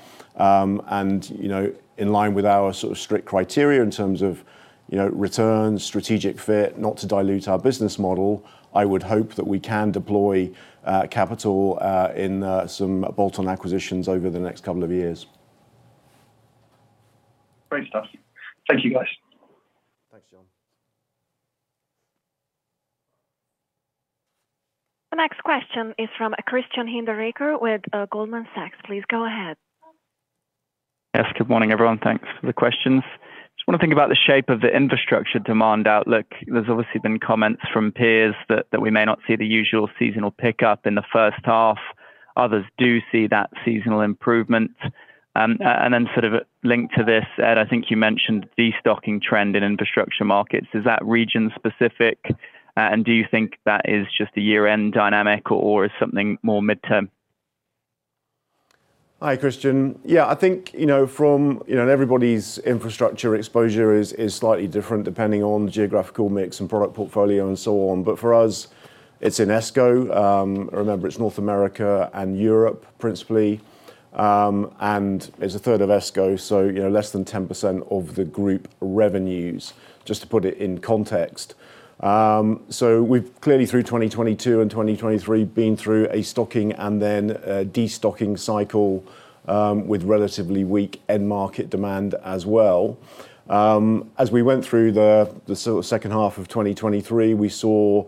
In line with our sort of strict criteria in terms of returns, strategic fit, not to dilute our business model, I would hope that we can deploy capital in some bolt-in acquisitions over the next couple of years. Great stuff. Thank you, guys. Thanks, Jon. The next question is from Christian Hinderaker with Goldman Sachs. Please go ahead. Yes, good morning, everyone. Thanks for the questions. I just want to think about the shape of the infrastructure demand outlook. There's obviously been comments from peers that we may not see the usual seasonal pickup in the first half. Others do see that seasonal improvement. And then sort of linked to this, Ed, I think you mentioned the destocking trend in infrastructure markets. Is that region-specific? And do you think that is just a year-end dynamic, or is something more mid-term? Hi, Christian. Yeah, I think everybody's infrastructure exposure is slightly different depending on geographical mix and product portfolio and so on. But for us, it's in ESCO. Remember, it's North America and Europe principally. It's a third of ESCO, so less than 10% of the group revenues, just to put it in context. So we've clearly, through 2022 and 2023, been through a stocking and then destocking cycle with relatively weak end-market demand as well. As we went through the sort of second half of 2023, we saw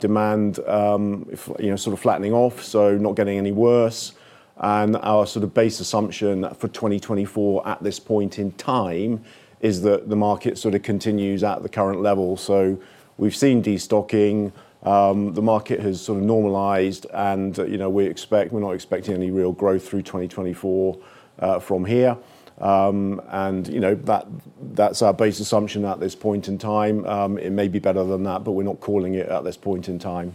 demand sort of flattening off, so not getting any worse. Our sort of base assumption for 2024 at this point in time is that the market sort of continues at the current level. So we've seen destocking. The market has sort of normalized, and we're not expecting any real growth through 2024 from here. That's our base assumption at this point in time. It may be better than that, but we're not calling it at this point in time.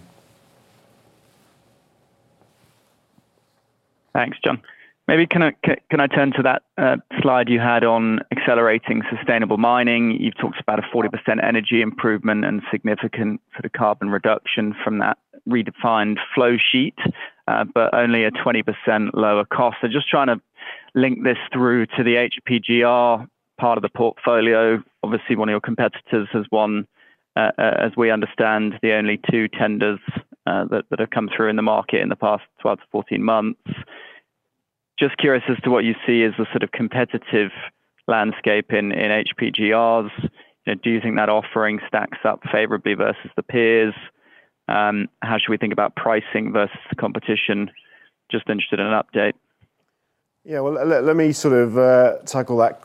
Thanks, Jon. Maybe can I turn to that slide you had on accelerating sustainable mining? You've talked about a 40% energy improvement and significant sort of carbon reduction from that redefined flowsheet, but only a 20% lower cost. So just trying to link this through to the HPGR part of the portfolio. Obviously, one of your competitors has won, as we understand, the only two tenders that have come through in the market in the past 12-14 months. Just curious as to what you see as the sort of competitive landscape in HPGRs. Do you think that offering stacks up favorably versus the peers? How should we think about pricing versus the competition? Just interested in an update. Yeah, well, let me sort of tackle that,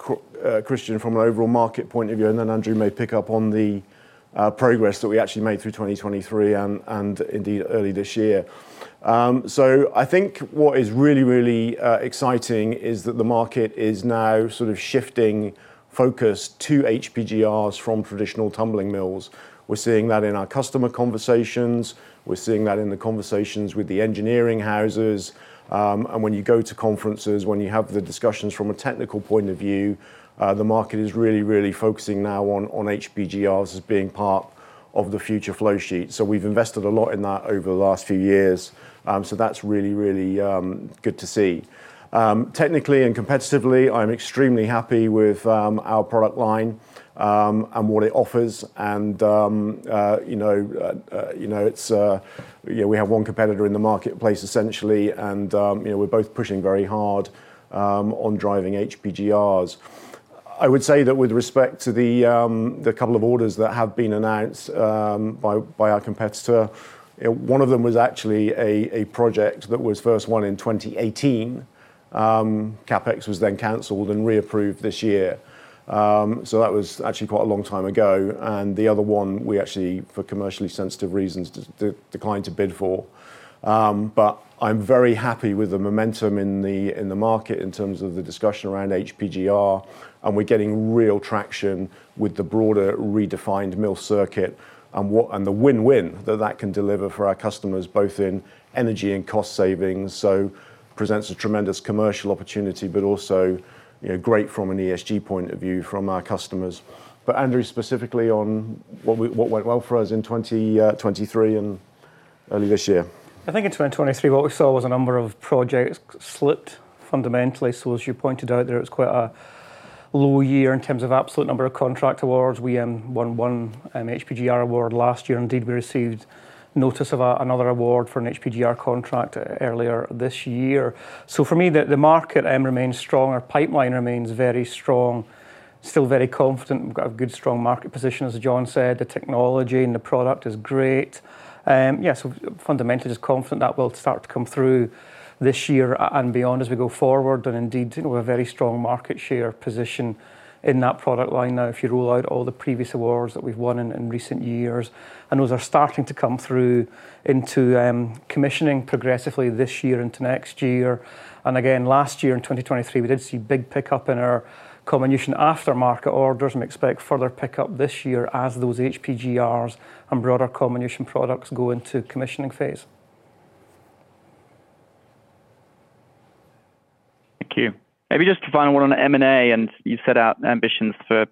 Christian, from an overall market point of view. And then Andrew may pick up on the progress that we actually made through 2023 and indeed early this year. So I think what is really, really exciting is that the market is now sort of shifting focus to HPGRs from traditional tumbling mills. We're seeing that in our customer conversations. We're seeing that in the conversations with the engineering houses. And when you go to conferences, when you have the discussions from a technical point of view, the market is really, really focusing now on HPGRs as being part of the future flowsheet. So we've invested a lot in that over the last few years. So that's really, really good to see. Technically and competitively, I'm extremely happy with our product line and what it offers. We have one competitor in the marketplace, essentially, and we're both pushing very hard on driving HPGRs. I would say that with respect to the couple of orders that have been announced by our competitor, one of them was actually a project that was first won in 2018. Cavex was then cancelled and reapproved this year. So that was actually quite a long time ago. And the other one, we actually, for commercially sensitive reasons, declined to bid for. But I'm very happy with the momentum in the market in terms of the discussion around HPGR. And we're getting real traction with the broader redefined mill circuit and the win-win that that can deliver for our customers, both in energy and cost savings. So presents a tremendous commercial opportunity, but also great from an ESG point of view from our customers. Andrew, specifically on what went well for us in 2023 and early this year? I think in 2023, what we saw was a number of projects slipped fundamentally. So as you pointed out there, it was quite a low year in terms of absolute number of contract awards. We won one HPGR award last year. Indeed, we received notice of another award for an HPGR contract earlier this year. So for me, the market remains strong. Our pipeline remains very strong, still very confident. We've got a good, strong market position, as Jon said. The technology and the product is great. Yeah, so fundamentally, just confident that will start to come through this year and beyond as we go forward. And indeed, we have a very strong market share position in that product line now if you roll out all the previous awards that we've won in recent years. And those are starting to come through into commissioning progressively this year into next year. Again, last year in 2023, we did see big pickup in our comminution aftermarket orders. We expect further pickup this year as those HPGRs and broader comminution products go into commissioning phase. Thank you. Maybe just one final one on M&A. You've set out ambitions for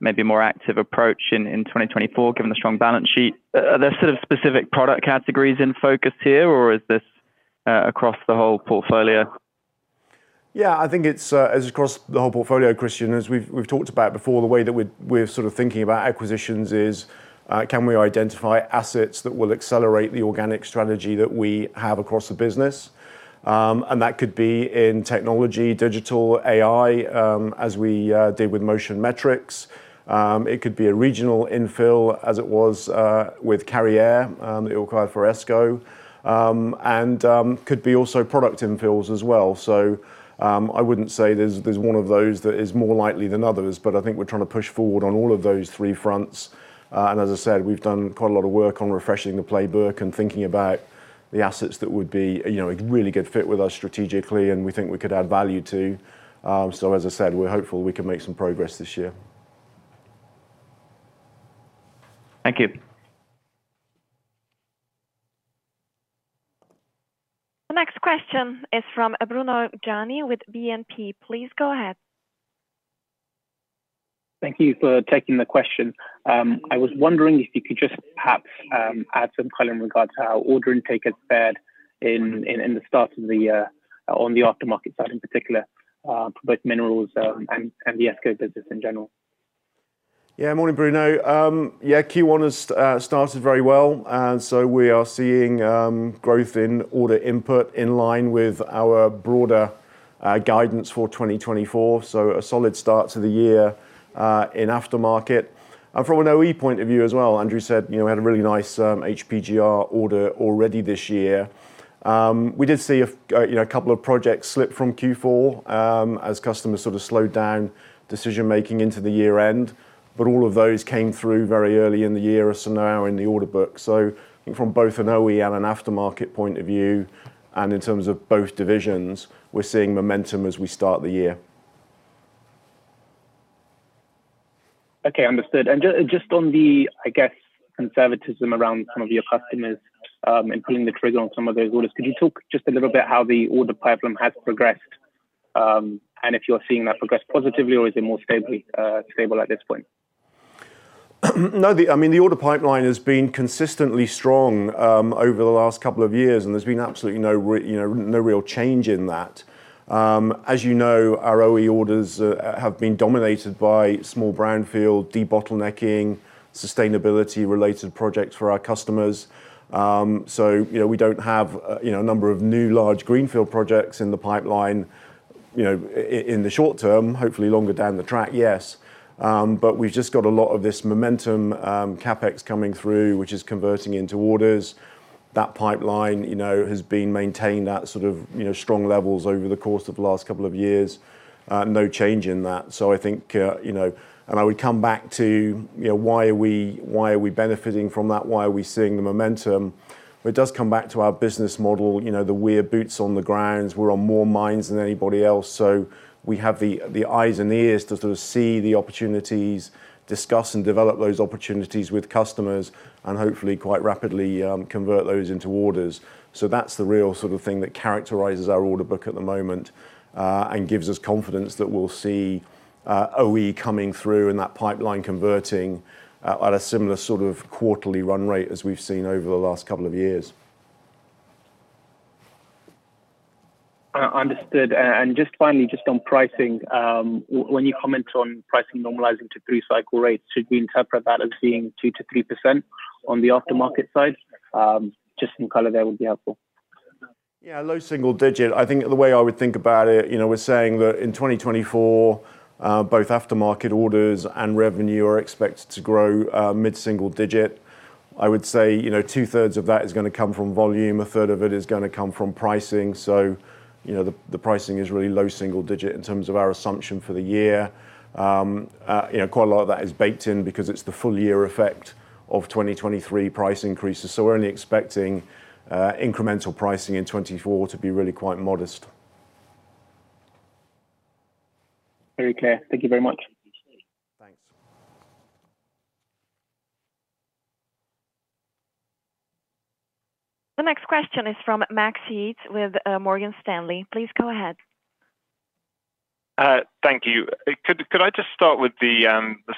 maybe a more active approach in 2024 given the strong balance sheet. Are there sort of specific product categories in focus here, or is this across the whole portfolio? Yeah, I think it's across the whole portfolio, Christian. As we've talked about before, the way that we're sort of thinking about acquisitions is can we identify assets that will accelerate the organic strategy that we have across the business? And that could be in technology, digital, AI, as we did with Motion Metrics. It could be a regional infill as it was with Carriere that you acquired for ESCO. And could be also product infills as well. So I wouldn't say there's one of those that is more likely than others. But I think we're trying to push forward on all of those free fronts. And as I said, we've done quite a lot of work on refreshing the playbook and thinking about the assets that would be a really good fit with us strategically, and we think we could add value to. As I said, we're hopeful we can make some progress this year. Thank you. The next question is from Bruno Gjani with BNP. Please go ahead. Thank you for taking the question. I was wondering if you could just perhaps add some color in regards to how order intake has fared in the start of the year on the aftermarket side in particular for both minerals and the ESCO business in general. Yeah, morning, Bruno. Yeah, Q1 has started very well. And so we are seeing growth in order input in line with our broader guidance for 2024. So a solid start to the year in aftermarket. And from an OE point of view as well, Andrew said we had a really nice HPGR order already this year. We did see a couple of projects slip from Q4 as customers sort of slowed down decision-making into the year-end. But all of those came through very early in the year as you know now in the order book. So I think from both an OE and an aftermarket point of view and in terms of both divisions, we're seeing momentum as we start the year. Okay, understood. And just on the, I guess, conservatism around some of your customers and pulling the trigger on some of those orders, could you talk just a little bit how the order pipeline has progressed and if you're seeing that progress positively, or is it more stable at this point? No, I mean, the order pipeline has been consistently strong over the last couple of years. And there's been absolutely no real change in that. As you know, our OE orders have been dominated by small brownfield, debottlenecking, sustainability-related projects for our customers. So we don't have a number of new large greenfield projects in the pipeline in the short term, hopefully longer down the track, yes. But we've just got a lot of this momentum, Cavex coming through, which is converting into orders. That pipeline has been maintained at sort of strong levels over the course of the last couple of years. No change in that. So I think and I would come back to why are we benefiting from that? Why are we seeing the momentum? But it does come back to our business model. The Weir boots on the ground. We're on more mines than anybody else. So we have the eyes and ears to sort of see the opportunities, discuss and develop those opportunities with customers, and hopefully quite rapidly convert those into orders. So that's the real sort of thing that characterizes our order book at the moment and gives us confidence that we'll see OE coming through and that pipeline converting at a similar sort of quarterly run rate as we've seen over the last couple of years. Understood. Just finally, just on pricing, when you comment on pricing normalizing to free-cycle rates, should we interpret that as being 2%-3% on the aftermarket side? Just some color there would be helpful. Yeah, low single digit. I think the way I would think about it, we're saying that in 2024, both aftermarket orders and revenue are expected to grow mid-single digit. I would say two-thirds of that is going to come from volume. A third of it is going to come from pricing. So the pricing is really low single digit in terms of our assumption for the year. Quite a lot of that is baked in because it's the full-year effect of 2023 price increases. So we're only expecting incremental pricing in 2024 to be really quite modest. Very clear. Thank you very much. Thanks. The next question is from Max Yates with Morgan Stanley. Please go ahead. Thank you. Could I just start with the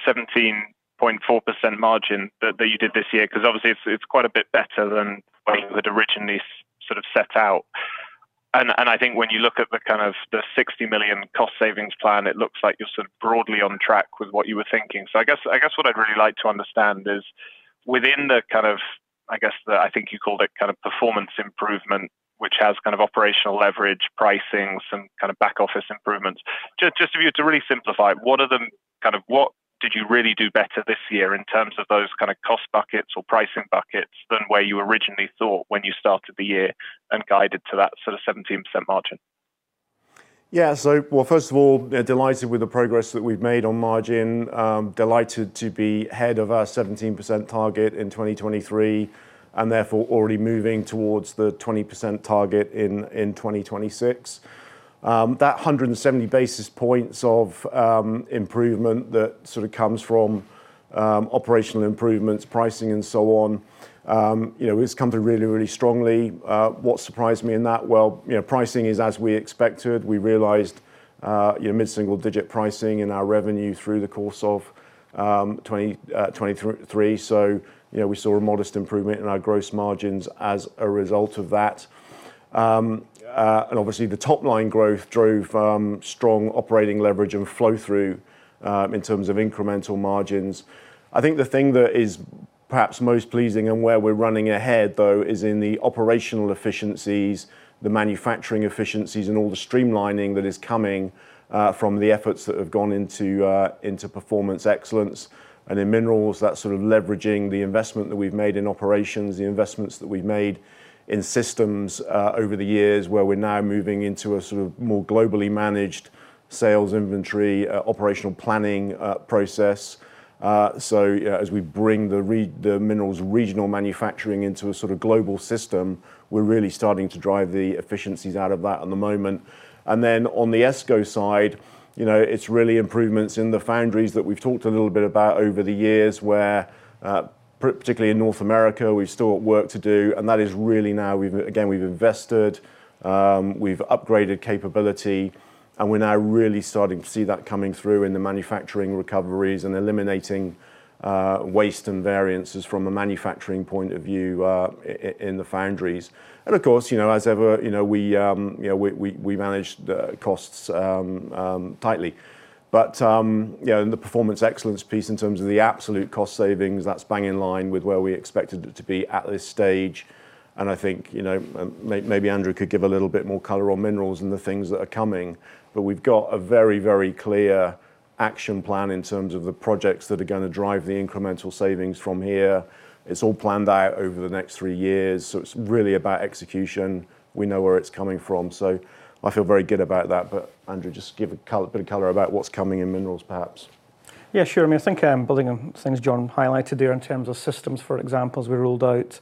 17.4% margin that you did this year? Because obviously, it's quite a bit better than what you had originally sort of set out. And I think when you look at the kind of the 60 million cost savings plan, it looks like you're sort of broadly on track with what you were thinking. So I guess what I'd really like to understand is within the kind of, I guess, the I think you called it kind of performance improvement, which has kind of operational leverage, pricing, some kind of back-office improvements. Just if you had to really simplify it, what did you really do better this year in terms of those kind of cost buckets or pricing buckets than where you originally thought when you started the year and guided to that sort of 17% margin? Yeah, so, well, first of all, delighted with the progress that we've made on margin. Delighted to be ahead of our 17% target in 2023 and therefore already moving towards the 20% target in 2026. That 170 basis points of improvement that sort of comes from operational improvements, pricing, and so on, it's come through really, really strongly. What surprised me in that? Well, pricing is as we expected. We realized mid-single digit pricing in our revenue through the course of 2023. So we saw a modest improvement in our gross margins as a result of that. And obviously, the top-line growth drove strong operating leverage and flow-through in terms of incremental margins. I think the thing that is perhaps most pleasing and where we're running ahead, though, is in the operational efficiencies, the manufacturing efficiencies, and all the streamlining that is coming from the efforts that have gone into Performance Excellence. In minerals, that's sort of leveraging the investment that we've made in operations, the investments that we've made in systems over the years where we're now moving into a sort of more globally managed sales inventory, operational planning process. As we bring the minerals' regional manufacturing into a sort of global system, we're really starting to drive the efficiencies out of that at the moment. Then on the ESCO side, it's really improvements in the foundries that we've talked a little bit about over the years where, particularly in North America, we've still got work to do. That is really now, again. We've invested. We've upgraded capability. We're now really starting to see that coming through in the manufacturing recoveries and eliminating waste and variances from a manufacturing point of view in the foundries. Of course, as ever, we manage the costs tightly. The performance excellence piece in terms of the absolute cost savings, that's bang in line with where we expected it to be at this stage. I think maybe Andrew could give a little bit more color on minerals and the things that are coming. We've got a very, very clear action plan in terms of the projects that are going to drive the incremental savings from here. It's all planned out over the next three years. It's really about execution. We know where it's coming from. I feel very good about that. Andrew, just give a bit of color about what's coming in minerals, perhaps. Yeah, sure. I mean, I think building on things Jon highlighted there in terms of systems, for example, as we rolled out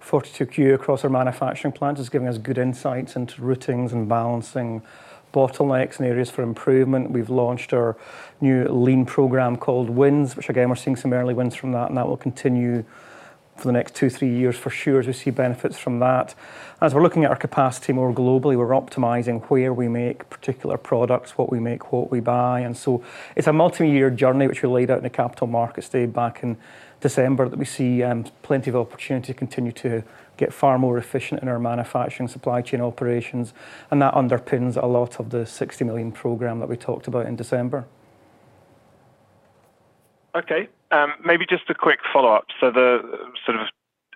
for 2Q across our manufacturing plant is giving us good insights into routings and balancing bottlenecks and areas for improvement. We've launched our new lean program called WINS, which, again, we're seeing some early WINS from that. And that will continue for the next two-three years for sure as we see benefits from that. As we're looking at our capacity more globally, we're optimizing where we make particular products, what we make, what we buy. And so it's a multi-year journey, which we laid out in the Capital Markets Day back in December, that we see plenty of opportunity to continue to get far more efficient in our manufacturing supply chain operations. And that underpins a lot of the 60 million program that we talked about in December. Okay. Maybe just a quick follow-up. So the sort of,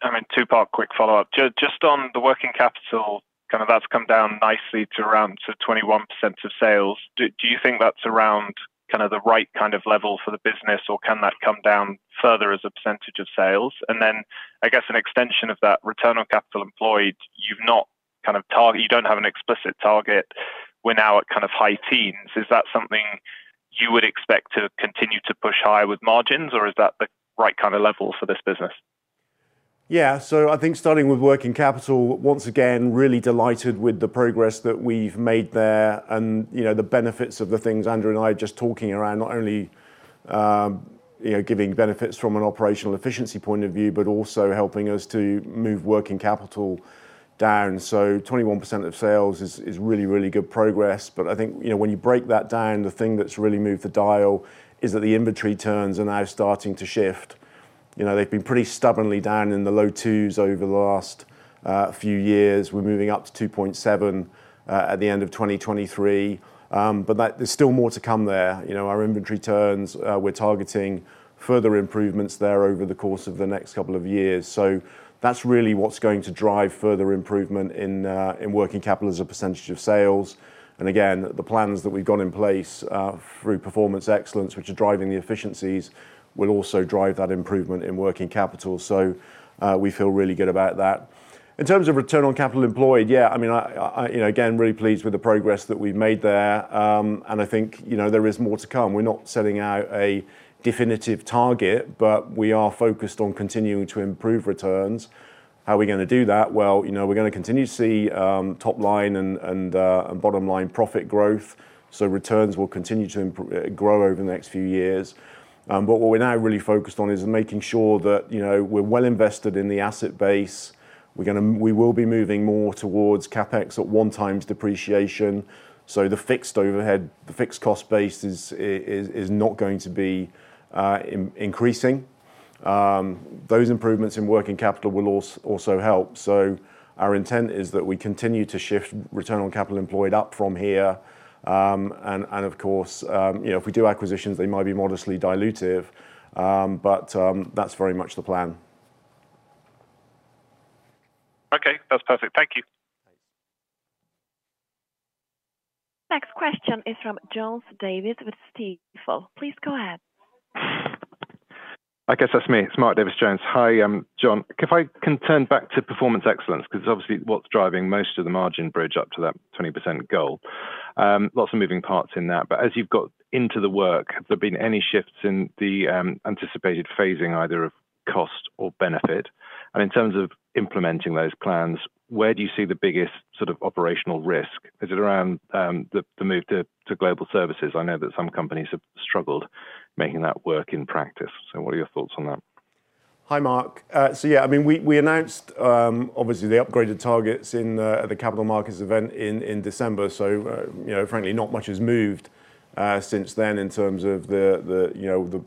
I mean, two-part quick follow-up. Just on the working capital, kind of that's come down nicely to around 21% of sales. Do you think that's around kind of the right kind of level for the business, or can that come down further as a percentage of sales? And then, I guess, an extension of that, return on capital employed, you've not kind of targeted you don't have an explicit target. We're now at kind of high teens. Is that something you would expect to continue to push high with margins, or is that the right kind of level for this business? Yeah, so I think starting with working capital, once again, really delighted with the progress that we've made there and the benefits of the things Andrew and I are just talking around, not only giving benefits from an operational efficiency point of view, but also helping us to move working capital down. So 21% of sales is really, really good progress. But I think when you break that down, the thing that's really moved the dial is that the inventory turns are now starting to shift. They've been pretty stubbornly down in the low twos over the last few years. We're moving up to 2.7 at the end of 2023. But there's still more to come there. Our inventory turns. We're targeting further improvements there over the course of the next couple of years. So that's really what's going to drive further improvement in working capital as a percentage of sales. And again, the plans that we've got in place through performance excellence, which are driving the efficiencies, will also drive that improvement in working capital. We feel really good about that. In terms of return on capital employed, yeah, I mean, again, really pleased with the progress that we've made there. I think there is more to come. We're not setting out a definitive target, but we are focused on continuing to improve returns. How are we going to do that? Well, we're going to continue to see top-line and bottom-line profit growth. Returns will continue to grow over the next few years. What we're now really focused on is making sure that we're well invested in the asset base. We will be moving more towards Cavex at 1x depreciation. So the fixed overhead, the fixed cost base is not going to be increasing. Those improvements in working capital will also help. So our intent is that we continue to shift return on capital employed up from here. And of course, if we do acquisitions, they might be modestly dilutive. But that's very much the plan. Okay, that's perfect. Thank you. Thanks. Next question is from Mark Davies-Jones with Stifel. Please go ahead. I guess that's me. It's Mark Davis-Jones. Hi, Jon. Can I turn back to Performance Excellence? Because obviously, what's driving most of the margin bridge up to that 20% goal? Lots of moving parts in that. But as you've got into the work, have there been any shifts in the anticipated phasing either of cost or benefit? And in terms of implementing those plans, where do you see the biggest sort of operational risk? Is it around the move to global services? I know that some companies have struggled making that work in practice. So what are your thoughts on that? Hi, Mark. So yeah, I mean, we announced, obviously, the upgraded targets at the capital markets event in December. So frankly, not much has moved since then in terms of the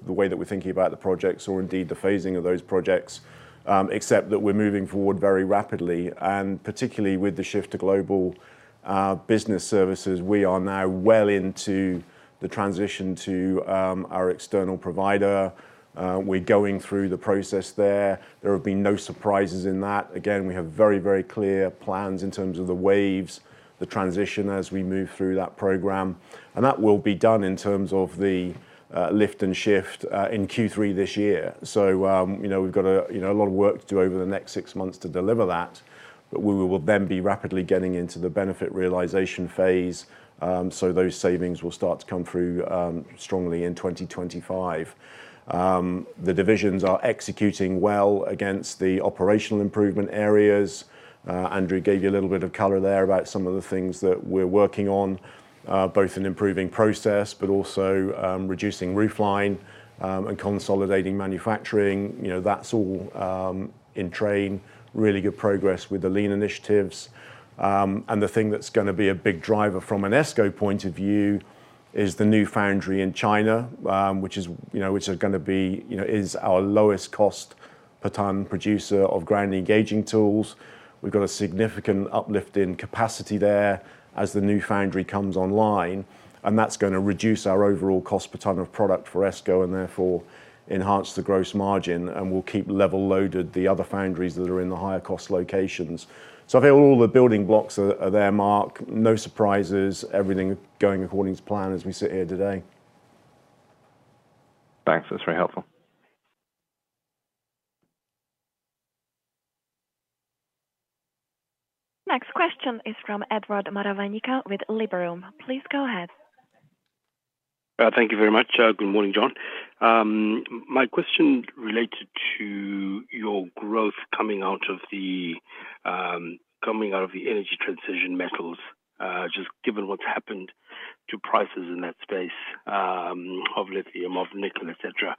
way that we're thinking about the projects or indeed the phasing of those projects, except that we're moving forward very rapidly. And particularly with the shift to global business services, we are now well into the transition to our external provider. We're going through the process there. There have been no surprises in that. Again, we have very, very clear plans in terms of the waves, the transition as we move through that program. And that will be done in terms of the lift and shift in Q3 this year. So we've got a lot of work to do over the next six months to deliver that. But we will then be rapidly getting into the benefit realization phase. Those savings will start to come through strongly in 2025. The divisions are executing well against the operational improvement areas. Andrew gave you a little bit of color there about some of the things that we're working on, both an improving process, but also reducing roofline and consolidating manufacturing. That's all in train. Really good progress with the lean initiatives. The thing that's going to be a big driver from an ESCO point of view is the new foundry in China, which is going to be our lowest cost per ton producer of ground engaging tools. We've got a significant uplift in capacity there as the new foundry comes online. That's going to reduce our overall cost per ton of product for ESCO and therefore enhance the gross margin. We'll keep level loaded the other foundries that are in the higher cost locations. So I think all the building blocks are there, Mark. No surprises. Everything going according to plan as we sit here today. Thanks. That's very helpful. Next question is from Edward Maravanyika with Liberum. Please go ahead. Thank you very much. Good morning, Jon. My question related to your growth coming out of the energy transition metals, just given what's happened to prices in that space of lithium, of nickel, etc.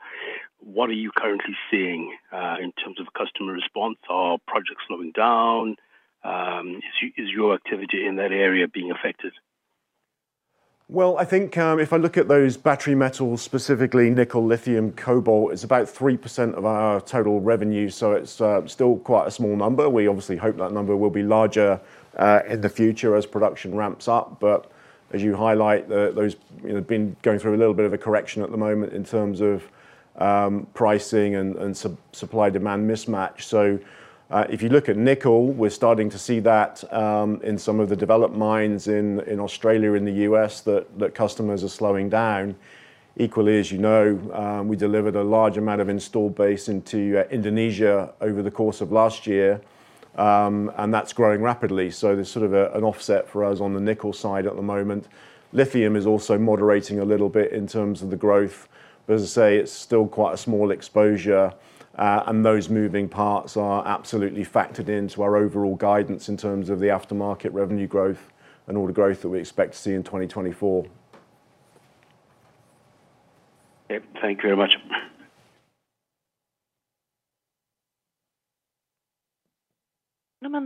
What are you currently seeing in terms of customer response? Are projects slowing down? Is your activity in that area being affected? Well, I think if I look at those battery metals, specifically nickel, lithium, cobalt, it's about 3% of our total revenue. So it's still quite a small number. We obviously hope that number will be larger in the future as production ramps up. But as you highlight, those have been going through a little bit of a correction at the moment in terms of pricing and supply-demand mismatch. So if you look at nickel, we're starting to see that in some of the developed mines in Australia, in the U.S., that customers are slowing down. Equally, as you know, we delivered a large amount of installed base into Indonesia over the course of last year. And that's growing rapidly. So there's sort of an offset for us on the nickel side at the moment. Lithium is also moderating a little bit in terms of the growth. As I say, it's still quite a small exposure. Those moving parts are absolutely factored into our overall guidance in terms of the aftermarket revenue growth and all the growth that we expect to see in 2024. Yep. Thank you very much.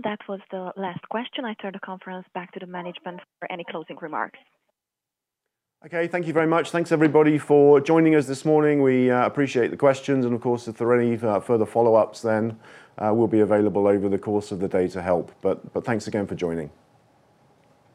That was the last question. I turn the conference back to the management for any closing remarks. Okay. Thank you very much. Thanks, everybody, for joining us this morning. We appreciate the questions. Of course, if there are any further follow-ups, then we'll be available over the course of the day to help. Thanks again for joining.